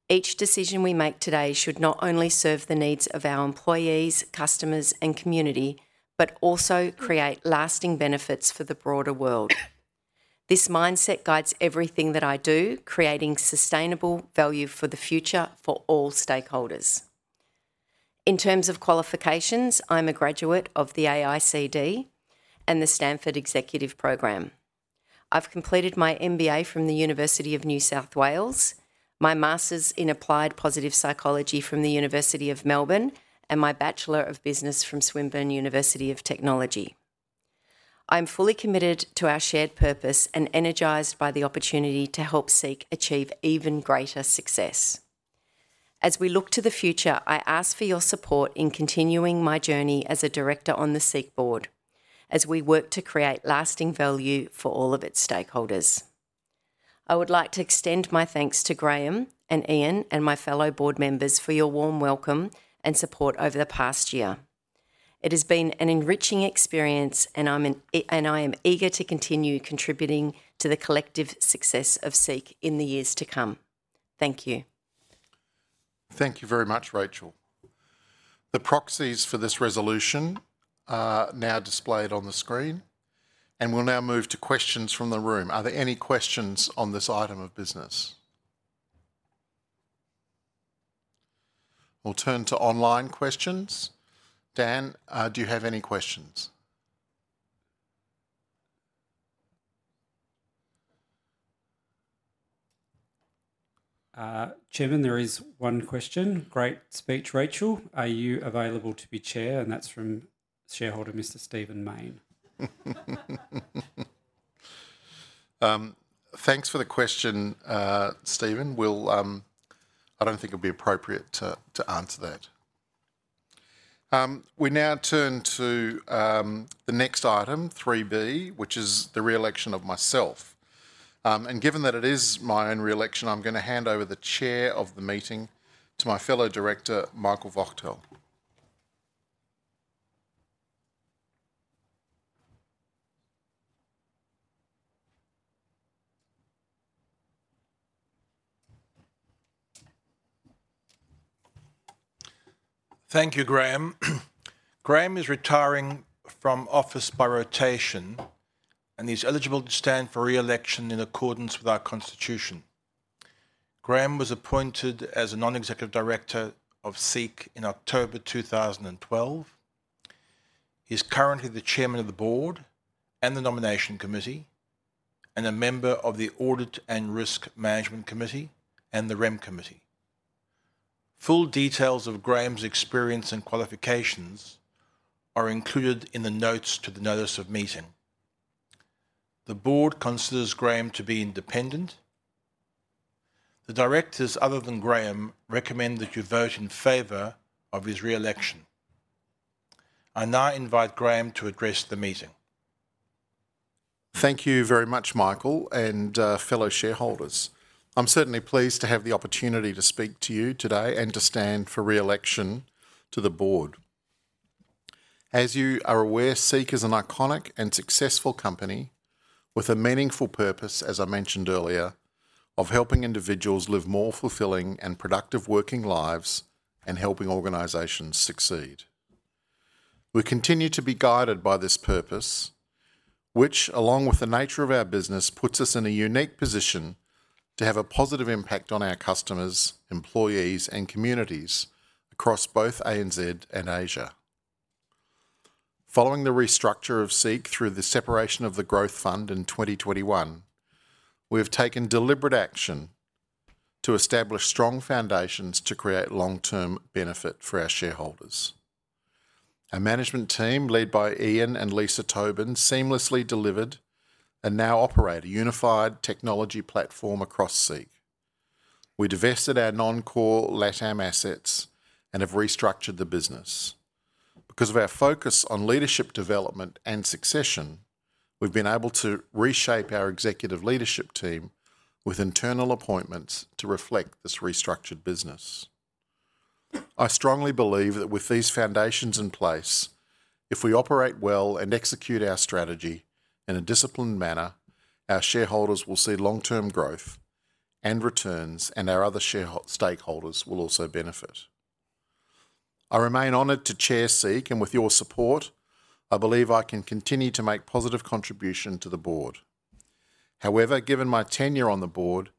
Each decision we make today should not only serve the needs of our employees, customers, and community, but also create lasting benefits for the broader world. This mindset guides everything that I do, creating sustainable value for the future for all stakeholders. In terms of qualifications, I'm a graduate of the AICD and the Stanford Executive Program. I've completed my MBA from the University of New South Wales, my master's in Applied Positive Psychology from the University of Melbourne, and my Bachelor of Business from Swinburne University of Technology. I'm fully committed to our shared purpose and energized by the opportunity to help SEEK achieve even greater success. As we look to the future, I ask for your support in continuing my journey as a director on the SEEK board as we work to create lasting value for all of its stakeholders. I would like to extend my thanks to Graham and Ian and my fellow board members for your warm welcome and support over the past year. It has been an enriching experience, and I am eager to continue contributing to the collective success of SEEK in the years to come. Thank you. Thank you very much, Rachael. The proxies for this resolution are now displayed on the screen, and we'll now move to questions from the room. Are there any questions on this item of business? We'll turn to online questions. Dan, do you have any questions? Chairman, there is one question. Great speech, Rachael. Are you available to be chair? And that's from shareholder Mr. Stephen Mayne. Thanks for the question, Stephen. I don't think it would be appropriate to answer that. We now turn to the next item, 3B, which is the re-election of myself. Given that it is my own re-election, I'm going to hand over the chair of the meeting to my fellow director, Michael Wachtel. Thank you, Graham. Graham is retiring from office by rotation, and he's eligible to stand for re-election in accordance with our constitution. Graham was appointed as a non-executive director of SEEK in October 2012. He's currently the chairman of the board and the nomination committee and a member of the Audit and Risk Management Committee and the Rem Committee. Full details of Graham's experience and qualifications are included in the notes to the notice of meeting. The board considers Graham to be independent. The directors, other than Graham, recommend that you vote in favor of his re-election. I now invite Graham to address the meeting. Thank you very much, Michael and fellow shareholders. I'm certainly pleased to have the opportunity to speak to you today and to stand for re-election to the board. As you are aware, SEEK is an iconic and successful company with a meaningful purpose, as I mentioned earlier, of helping individuals live more fulfilling and productive working lives and helping organizations succeed. We continue to be guided by this purpose, which, along with the nature of our business, puts us in a unique position to have a positive impact on our customers, employees, and communities across both ANZ and Asia. Following the restructure of SEEK through the separation of the Growth Fund in 2021, we have taken deliberate action to establish strong foundations to create long-term benefit for our shareholders. Our management team, led by Ian and Lisa Tobin, seamlessly delivered and now operate a unified technology platform across SEEK. We divested our non-core LATAM assets and have restructured the business. Because of our focus on leadership development and succession, we've been able to reshape our executive leadership team with internal appointments to reflect this restructured business. I strongly believe that with these foundations in place, if we operate well and execute our strategy in a disciplined manner, our shareholders will see long-term growth and returns, and our other stakeholders will also benefit. I remain honored to chair SEEK, and with your support, I believe I can continue to make positive contributions to the board. However, given my tenure on the board,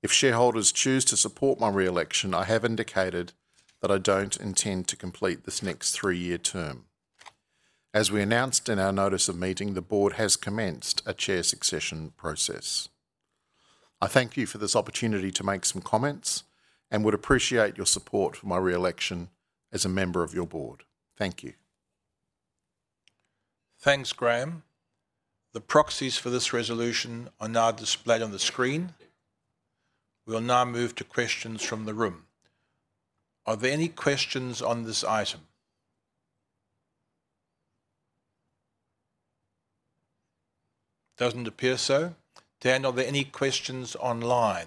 if shareholders choose to support my re-election, I have indicated that I don't intend to complete this next three-year term. As we announced in our notice of meeting, the board has commenced a chair succession process. I thank you for this opportunity to make some comments and would appreciate your support for my re-election as a member of your board. Thank you. Thanks, Graham. The proxies for this resolution are now displayed on the screen. We'll now move to questions from the room. Are there any questions on this item? Doesn't appear so. Dan, are there any questions online?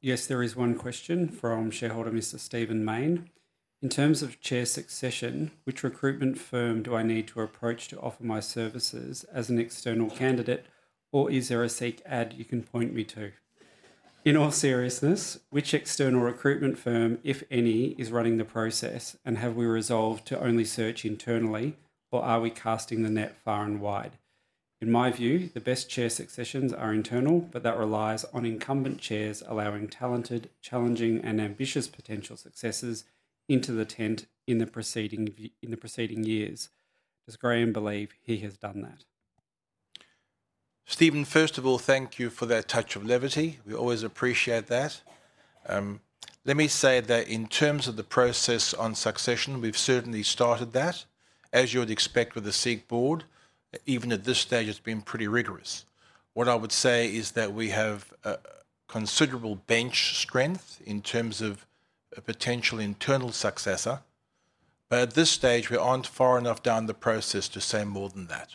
Yes, there is one question from shareholder Mr. Stephen Mayne. In terms of chair succession, which recruitment firm do I need to approach to offer my services as an external candidate, or is there a SEEK ad you can point me to? In all seriousness, which external recruitment firm, if any, is running the process, and have we resolved to only search internally, or are we casting the net far and wide? In my view, the best chair successions are internal, but that relies on incumbent chairs allowing talented, challenging, and ambitious potential successors into the tent in the preceding years. Does Graham believe he has done that? Stephen, first of all, thank you for that touch of levity. We always appreciate that. Let me say that in terms of the process on succession, we've certainly started that. As you would expect with the SEEK board, even at this stage, it's been pretty rigorous. What I would say is that we have a considerable bench strength in terms of a potential internal successor, but at this stage, we aren't far enough down the process to say more than that.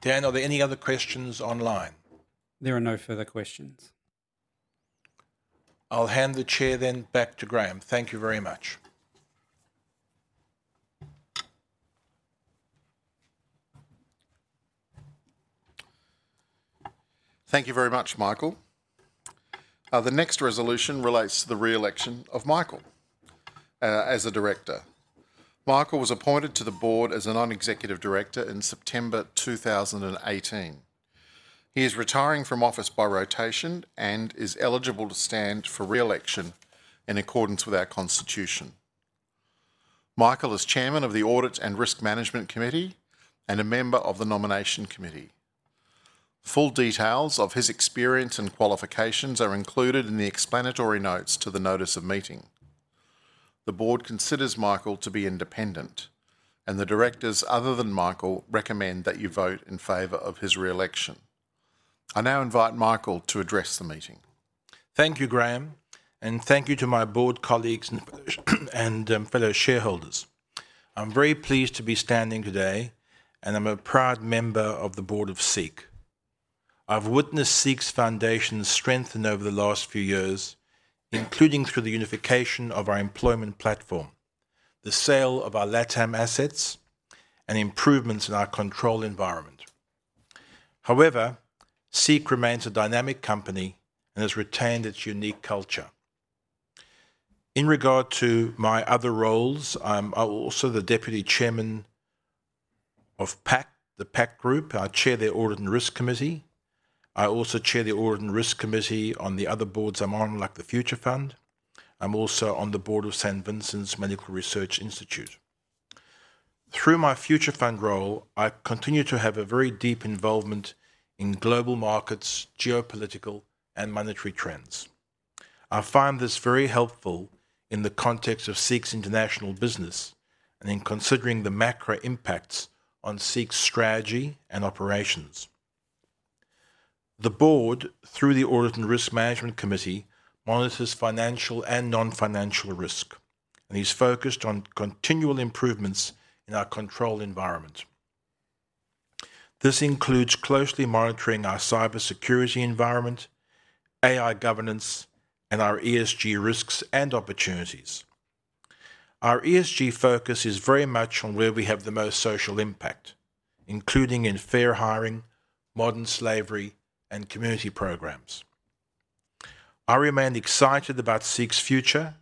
Dan, are there any other questions online? There are no further questions. I'll hand the chair then back to Graham. Thank you very much. Thank you very much, Michael. The next resolution relates to the re-election of Michael as a director. Michael was appointed to the board as a non-executive director in September 2018. He is retiring from office by rotation and is eligible to stand for re-election in accordance with our constitution. Michael is chairman of the Audit and Risk Management Committee and a member of the Nomination Committee. Full details of his experience and qualifications are included in the explanatory notes to the notice of meeting. The board considers Michael to be independent, and the directors other than Michael recommend that you vote in favor of his re-election. I now invite Michael to address the meeting. Thank you, Graham, and thank you to my board colleagues and fellow shareholders. I'm very pleased to be standing today, and I'm a proud member of the board of SEEK. I've witnessed SEEK's foundation strengthen over the last few years, including through the unification of our employment platform, the sale of our LATAM assets, and improvements in our control environment. However, SEEK remains a dynamic company and has retained its unique culture. In regard to my other roles, I'm also the deputy chairman of the Pact Group. I chair the Audit and Risk Committee. I also chair the Audit and Risk Committee on the other boards I'm on, like the Future Fund. I'm also on the board of St Vincent's Institute of Medical Research. Through my Future Fund role, I continue to have a very deep involvement in global markets, geopolitical, and monetary trends. I find this very helpful in the context of SEEK's international business and in considering the macro impacts on SEEK's strategy and operations. The board, through the Audit and Risk Management Committee, monitors financial and non-financial risk, and he's focused on continual improvements in our control environment. This includes closely monitoring our cybersecurity environment, AI governance, and our ESG risks and opportunities. Our ESG focus is very much on where we have the most social impact, including in fair hiring, modern slavery, and community programs. I remain excited about SEEK's future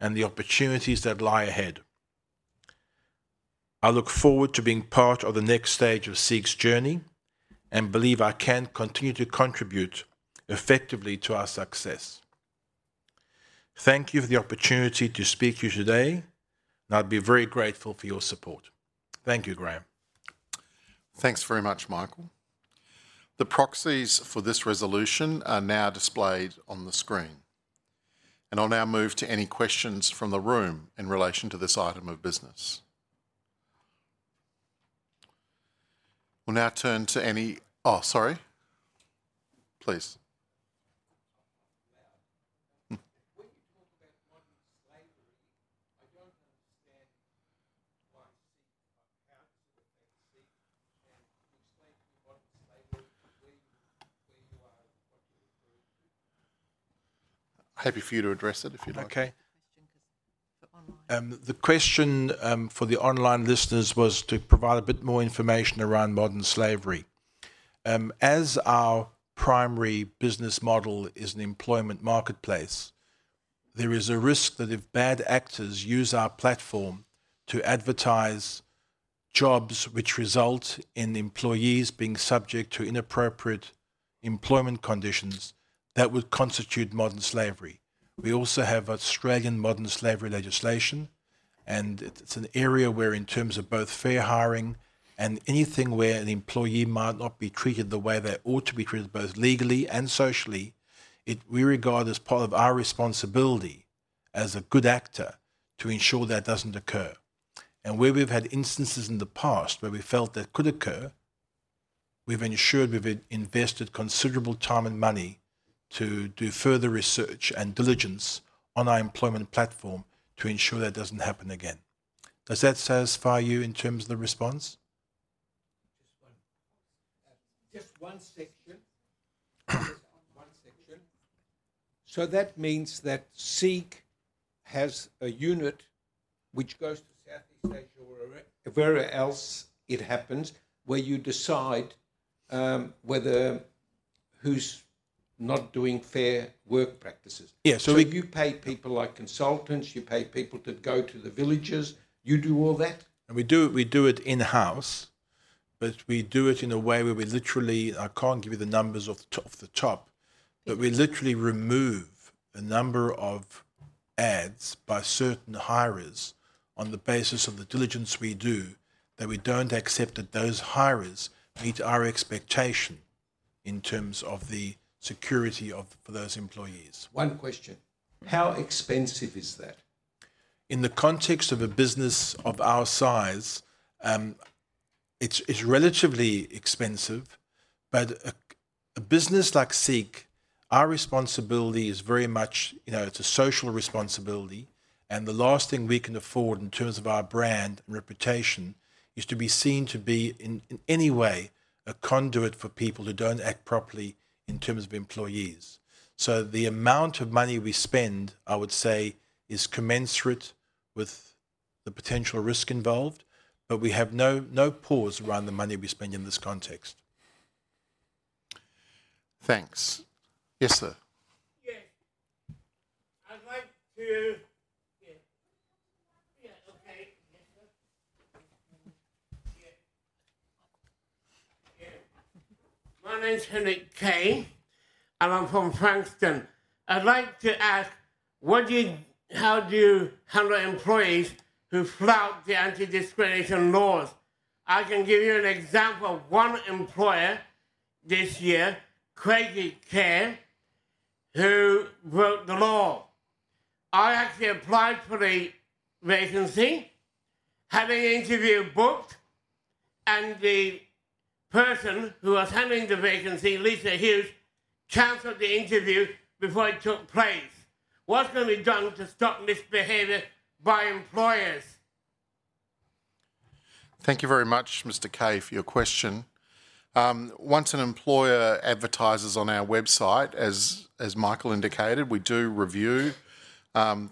and the opportunities that lie ahead. I look forward to being part of the next stage of SEEK's journey and believe I can continue to contribute effectively to our success. Thank you for the opportunity to speak to you today, and I'd be very grateful for your support. Thank you, Graham. Thanks very much, Michael. The proxies for this resolution are now displayed on the screen, and I'll now move to any questions from the room in relation to this item of business. We'll now turn to any—oh, sorry. Please. When you talk about modern slavery, I don't understand why SEEK—how does it affect SEEK? Can you explain to me modern slavery and where you are and what you're referring to? I'll have you for you to address it if you'd like. Okay. The question for the online listeners was to provide a bit more information around modern slavery. As our primary business model is an employment marketplace, there is a risk that if bad actors use our platform to advertise jobs, which result in employees being subject to inappropriate employment conditions, that would constitute modern slavery. We also have Australian modern slavery legislation, and it's an area where, in terms of both fair hiring and anything where an employee might not be treated the way they ought to be treated, both legally and socially, we regard as part of our responsibility as a good actor to ensure that doesn't occur. And where we've had instances in the past where we felt that could occur, we've ensured we've invested considerable time and money to do further research and diligence on our employment platform to ensure that doesn't happen again. Does that satisfy you in terms of the response? Just one section. So that means that SEEK has a unit which goes to Southeast Asia or wherever else it happens where you decide whether who's not doing fair work practices. So you pay people like consultants, you pay people to go to the villages, you do all that? We do it in-house, but we do it in a way where we literally - I can't give you the numbers off the top - but we literally remove a number of ads by certain hirers on the basis of the diligence we do, that we don't accept that those hirers meet our expectation in terms of the security for those employees. One question. How expensive is that? In the context of a business of our size, it's relatively expensive, but a business like SEEK, our responsibility is very much - it's a social responsibility, and the last thing we can afford in terms of our brand and reputation is to be seen to be in any way a conduit for people who don't act properly in terms of employees. So the amount of money we spend, I would say, is commensurate with the potential risk involved, but we have no pause around the money we spend in this context. Thanks. Yes, sir. My name's Henryk Kay, and I'm from Frankston. I'd like to ask, how do you handle employees who flout the anti-discrimination laws? I can give you an example of one employer this year, Craigcare, who broke the law. I actually applied for the vacancy, had an interview booked, and the person who was handling the vacancy, Lisa Hughes, cancelled the interview before it took place. What's going to be done to stop misbehavior by employers? Thank you very much, Mr. Kay, for your question. Once an employer advertises on our website, as Michael indicated, we do review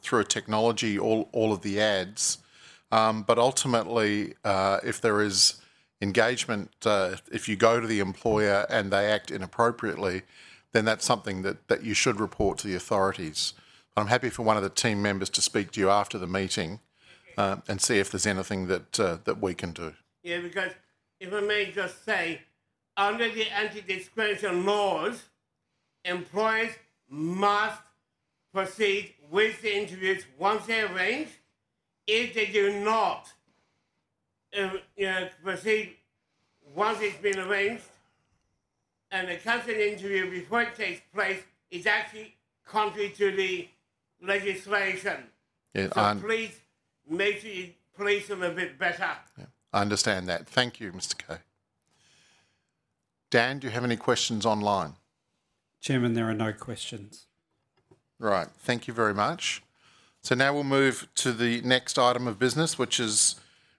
through a technology all of the ads, but ultimately, if there is engagement, if you go to the employer and they act inappropriately, then that's something that you should report to the authorities. I'm happy for one of the team members to speak to you after the meeting and see if there's anything that we can do. Yeah, because if I may just say, under the anti-discrimination laws, employers must proceed with the interviews once they're arranged. If they do not proceed once it's been arranged and they cancel the interview before it takes place, it's actually contrary to the legislation. Please make sure you police them a bit better. I understand that. Thank you, Mr. Kay. Dan, do you have any questions online? Chairman, there are no questions. Right. Thank you very much. So now we'll move to the next item of business, which is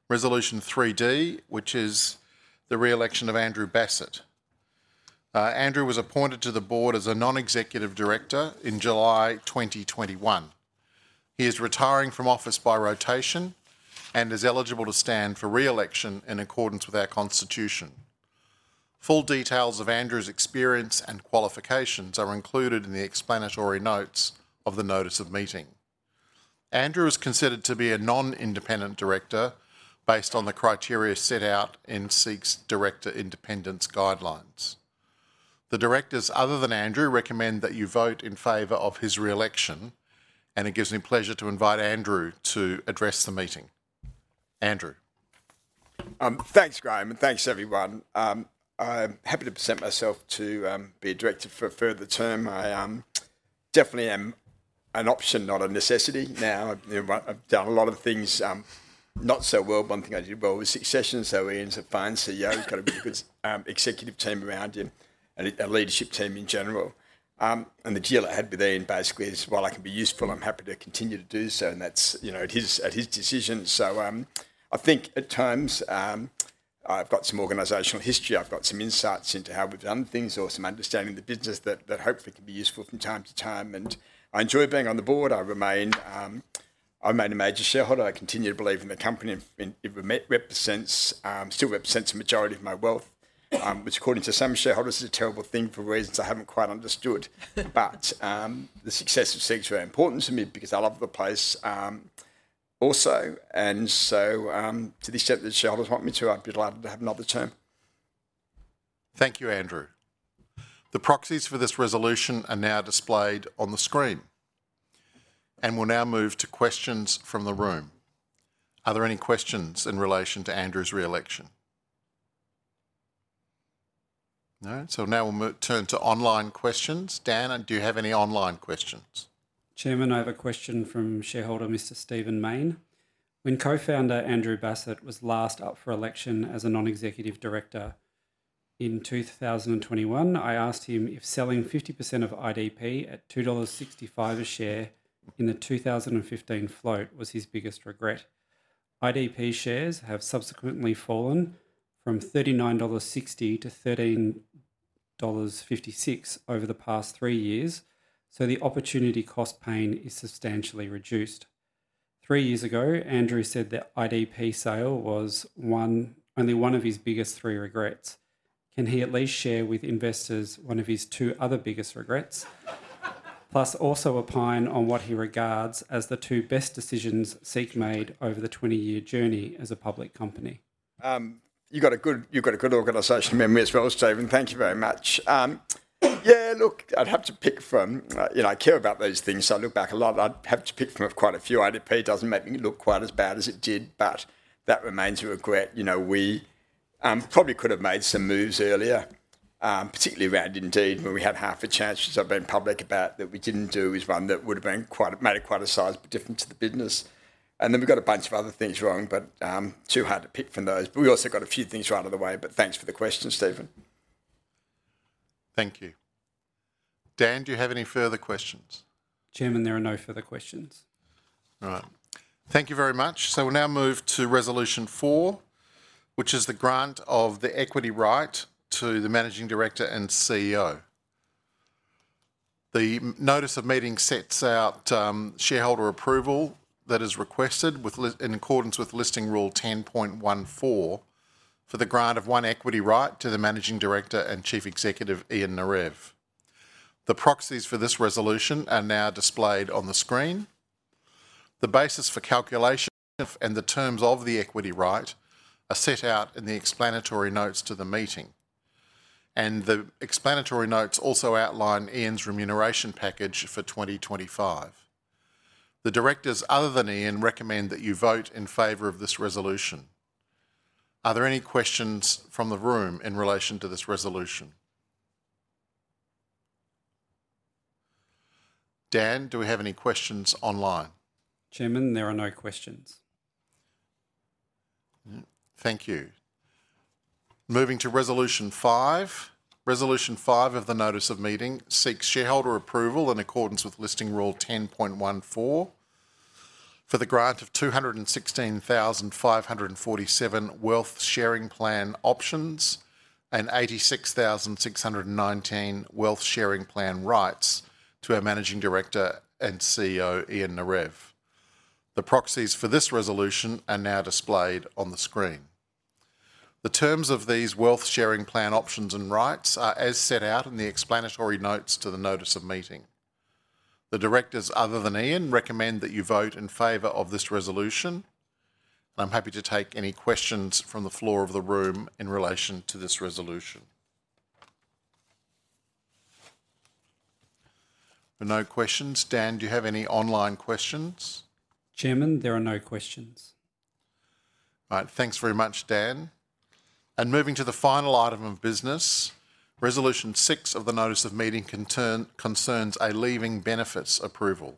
Resolution 3D, which is the re-election of Andrew Bassat. Andrew was appointed to the board as a non-executive director in July 2021. He is retiring from office by rotation and is eligible to stand for re-election in accordance with our constitution. Full details of Andrew's experience and qualifications are included in the explanatory notes of the notice of meeting. Andrew is considered to be a non-independent director based on the criteria set out in SEEK's Director Independence Guidelines. The directors other than Andrew recommend that you vote in favor of his re-election, and it gives me pleasure to invite Andrew to address the meeting. Andrew. Thanks, Graham, and thanks, everyone. I'm happy to present myself to be a director for a further term. I definitely am an option, not a necessity. Now, I've done a lot of things not so well. One thing I did well was succession, so he ends up fine. CEO, you've got a really good executive team around you and a leadership team in general. And the deal I had with him basically is, while I can be useful, I'm happy to continue to do so, and that's at his decision. So I think at times I've got some organizational history, I've got some insights into how we've done things, or some understanding of the business that hopefully can be useful from time to time. And I enjoy being on the board. I remain a major shareholder. I continue to believe in the company. It still represents the majority of my wealth, which according to some shareholders is a terrible thing for reasons I haven't quite understood. But the success of SEEK's very important to me because I love the place also. And so to the extent that shareholders want me to, I'd be delighted to have another term. Thank you, Andrew. The proxies for this resolution are now displayed on the screen, and we'll now move to questions from the room. Are there any questions in relation to Andrew's re-election? No? So now we'll turn to online questions. Dan, do you have any online questions? Chairman, I have a question from shareholder Mr. Stephen Mayne. When co-founder Andrew Bassat was last up for election as a non-executive director in 2021, I asked him if selling 50% of IDP at 2.65 dollars a share in the 2015 float was his biggest regret. IDP shares have subsequently fallen from 39.60 dollars to 13.56 dollars over the past three years, so the opportunity cost pain is substantially reduced. Three years ago, Andrew said that IDP sale was only one of his biggest three regrets. Can he at least share with investors one of his two other biggest regrets, plus also opine on what he regards as the two best decisions SEEK made over the 20-year journey as a public company? You've got a good organization memory as well, Stephen. Thank you very much. Yeah, look, I'd have to pick from—I care about those things, so I look back a lot. I'd have to pick from quite a few. IDP doesn't make me look quite as bad as it did, but that remains a regret. We probably could have made some moves earlier, particularly around Indeed, where we had half a chance, which I've been public about, that we didn't do, is one that would have made quite a size of a difference to the business. And then we've got a bunch of other things wrong, but too hard to pick from those. But we also got a few things right out of the way, but thanks for the question, Stephen. Thank you. Dan, do you have any further questions? Chairman, there are no further questions. All right. Thank you very much. So we'll now move to Resolution 4, which is the grant of the equity right to the Managing Director and CEO. The notice of meeting sets out shareholder approval that is requested in accordance with Listing Rule 10.14 for the grant of one equity right to the Managing Director and Chief Executive Ian Narev. The proxies for this resolution are now displayed on the screen. The basis for calculation and the terms of the equity right are set out in the explanatory notes to the meeting. The explanatory notes also outline Ian's remuneration package for 2025. The directors other than Ian recommend that you vote in favor of this resolution. Are there any questions from the room in relation to this resolution? Dan, do we have any questions online? Chairman, there are no questions. Thank you. Moving to Resolution 5. Resolution 5 of the notice of meeting seeks shareholder approval in accordance with Listing Rule 10.14 for the grant of 216,547 Wealth Sharing Plan options and 86,619 Wealth Sharing Plan rights to our Managing Director and CEO Ian Narev. The proxies for this resolution are now displayed on the screen. The terms of these Wealth Sharing Plan options and rights are as set out in the explanatory notes to the notice of meeting. The directors other than Ian recommend that you vote in favor of this resolution. And I'm happy to take any questions from the floor of the room in relation to this resolution. No questions. Dan, do you have any online questions? Chairman, there are no questions. All right. Thanks very much, Dan. And moving to the final item of business, Resolution 6 of the notice of meeting concerns a leaving benefits approval.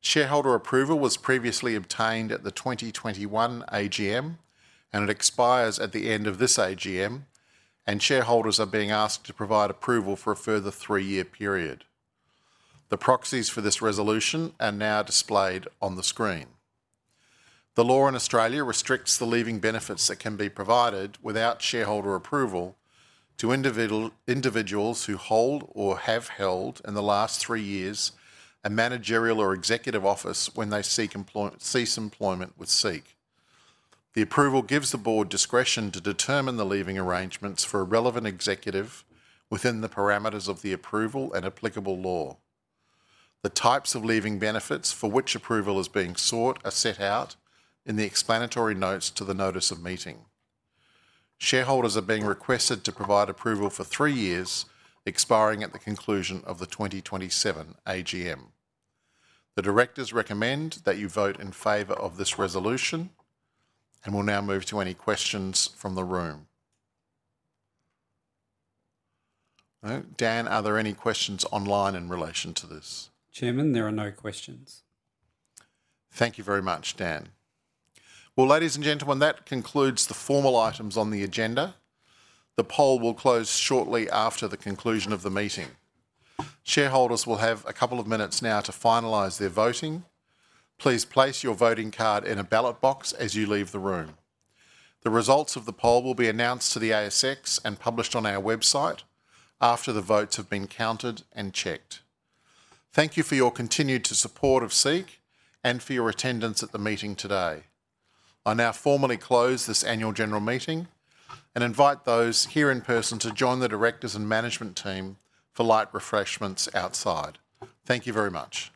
Shareholder approval was previously obtained at the 2021 AGM, and it expires at the end of this AGM, and shareholders are being asked to provide approval for a further three-year period. The proxies for this resolution are now displayed on the screen. The law in Australia restricts the leaving benefits that can be provided without shareholder approval to individuals who hold or have held in the last three years a managerial or executive office when they cease employment with SEEK. The approval gives the board discretion to determine the leaving arrangements for a relevant executive within the parameters of the approval and applicable law. The types of leaving benefits for which approval is being sought are set out in the explanatory notes to the notice of meeting. Shareholders are being requested to provide approval for three years expiring at the conclusion of the 2027 AGM. The directors recommend that you vote in favor of this resolution, and we'll now move to any questions from the room. Dan, are there any questions online in relation to this? Chairman, there are no questions. Thank you very much, Dan, well, ladies and gentlemen, that concludes the formal items on the agenda. The poll will close shortly after the conclusion of the meeting. Shareholders will have a couple of minutes now to finalize their voting. Please place your voting card in a ballot box as you leave the room. The results of the poll will be announced to the ASX and published on our website after the votes have been counted and checked. Thank you for your continued support of SEEK and for your attendance at the meeting today. I now formally close this annual general meeting and invite those here in person to join the directors and management team for light refreshments outside. Thank you very much.